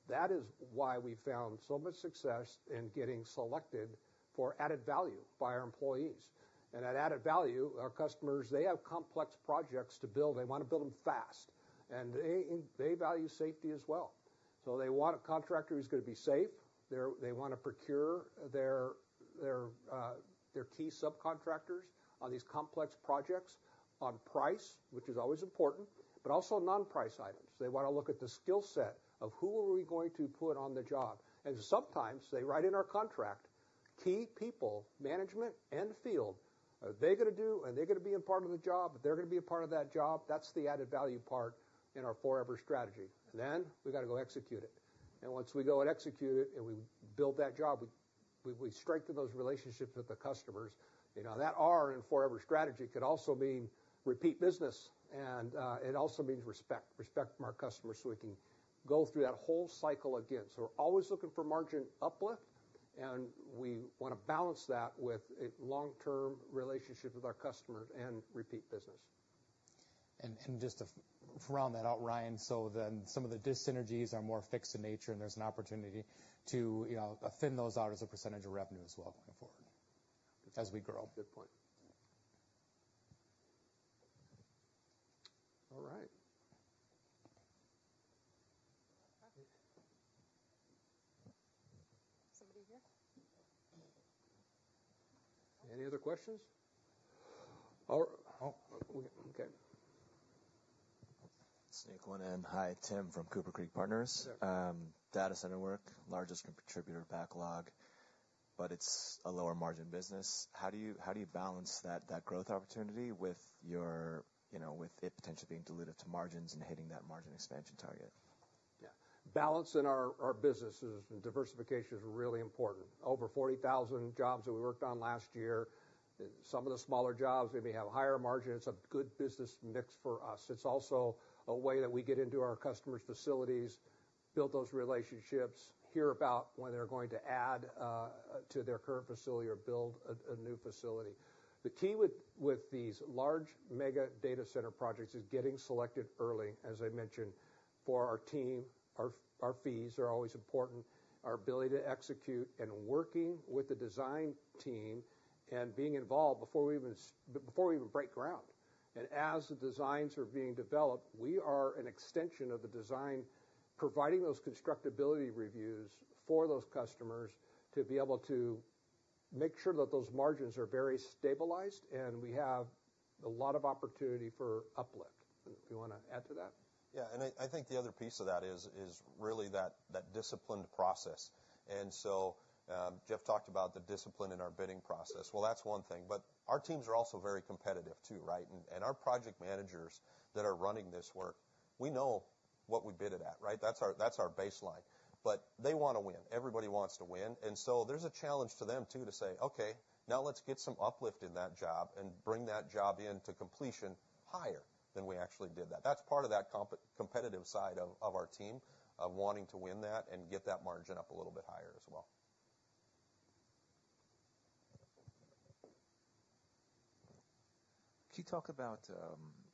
That is why we found so much success in getting selected for added value by our employees. And that added value, our customers, they have complex projects to build. They want to build them fast, and they, they value safety as well. So they want a contractor who's gonna be safe. They want to procure their key subcontractors on these complex projects on price, which is always important, but also non-price items. They want to look at the skill set of who are we going to put on the job. And sometimes they write in our contract key people, management, and field. Are they gonna be a part of the job? If they're gonna be a part of that job, that's the added value part in our Forever Strategy. Then we've got to go execute it. And once we go and execute it and we build that job, we strengthen those relationships with the customers. You know, that R in Forever Strategy could also mean repeat business, and it also means respect from our customers, so we can go through that whole cycle again. So we're always looking for margin uplift, and we want to balance that with a long-term relationship with our customers and repeat business. Just to round that out, Ryan, some of the dyssynergies are more fixed in nature, and there's an opportunity to, you know, thin those out as a percentage of revenue as well going forward, as we grow. Good point. All right. Somebody here? Any other questions? Or, oh, okay. Sneak one in. Hi, Tim from Cooper Creek Partners. Sure. Data center work, largest contributor backlog, but it's a lower margin business. How do you balance that growth opportunity with your, you know, with it potentially being dilutive to margins and hitting that margin expansion target? Yeah. Balance in our businesses and diversification is really important. Over 40,000 jobs that we worked on last year, some of the smaller jobs, they may have higher margins. It's a good business mix for us. It's also a way that we get into our customers' facilities, build those relationships, hear about when they're going to add to their current facility or build a new facility. The key with these large mega data center projects is getting selected early, as I mentioned, for our team. Our fees are always important, our ability to execute and working with the design team and being involved before we even break ground, and as the designs are being developed, we are an extension of the design, providing those constructability reviews for those customers to be able to-... Make sure that those margins are very stabilized, and we have a lot of opportunity for uplift. Do you wanna add to that? Yeah, and I think the other piece of that is really that disciplined process. And so, Jeff talked about the discipline in our bidding process. Well, that's one thing, but our teams are also very competitive, too, right? And our project managers that are running this work, we know what we bid it at, right? That's our baseline. But they wanna win. Everybody wants to win, and so there's a challenge to them, too, to say: Okay, now let's get some uplift in that job and bring that job in to completion higher than we actually did that. That's part of that competitive side of our team of wanting to win that and get that margin up a little bit higher as well. Can you talk about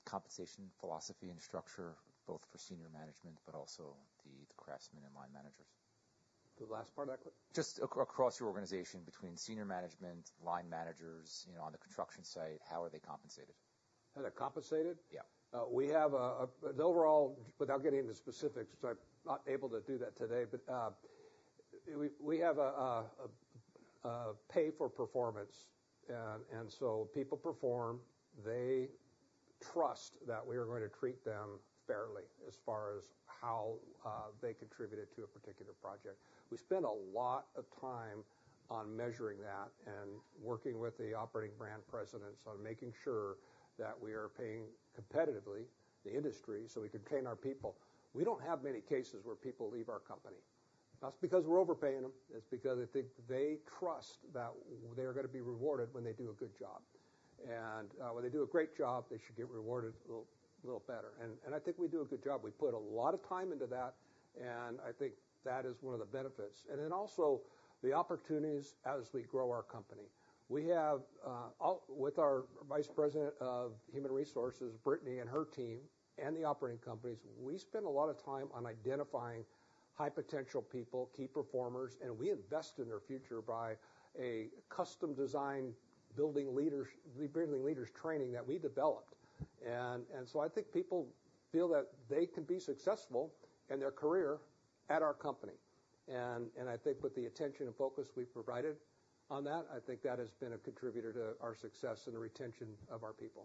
compensation philosophy and structure, both for senior management but also the craftsmen and line managers? The last part of that clip? Just across your organization, between senior management, line managers, you know, on the construction site, how are they compensated? How they're compensated? Yeah. We have an overall... Without getting into specifics, because I'm not able to do that today, but we have a pay-for-performance. And so people perform, they trust that we are going to treat them fairly as far as how they contributed to a particular project. We spend a lot of time on measuring that and working with the operating brand presidents on making sure that we are paying competitively the industry, so we can retain our people. We don't have many cases where people leave our company. Not because we're overpaying them, it's because they think they trust that they're gonna be rewarded when they do a good job. And when they do a great job, they should get rewarded a little better. And I think we do a good job. We put a lot of time into that, and I think that is one of the benefits, and then also the opportunities as we grow our company. We have with our Vice President of Human Resources, Brittany, and her team and the operating companies, we spend a lot of time on identifying high-potential people, key performers, and we invest in their future by a custom-designed Building Leaders training that we developed, and so I think people feel that they can be successful in their career at our company, and I think with the attention and focus we've provided on that, I think that has been a contributor to our success and the retention of our people.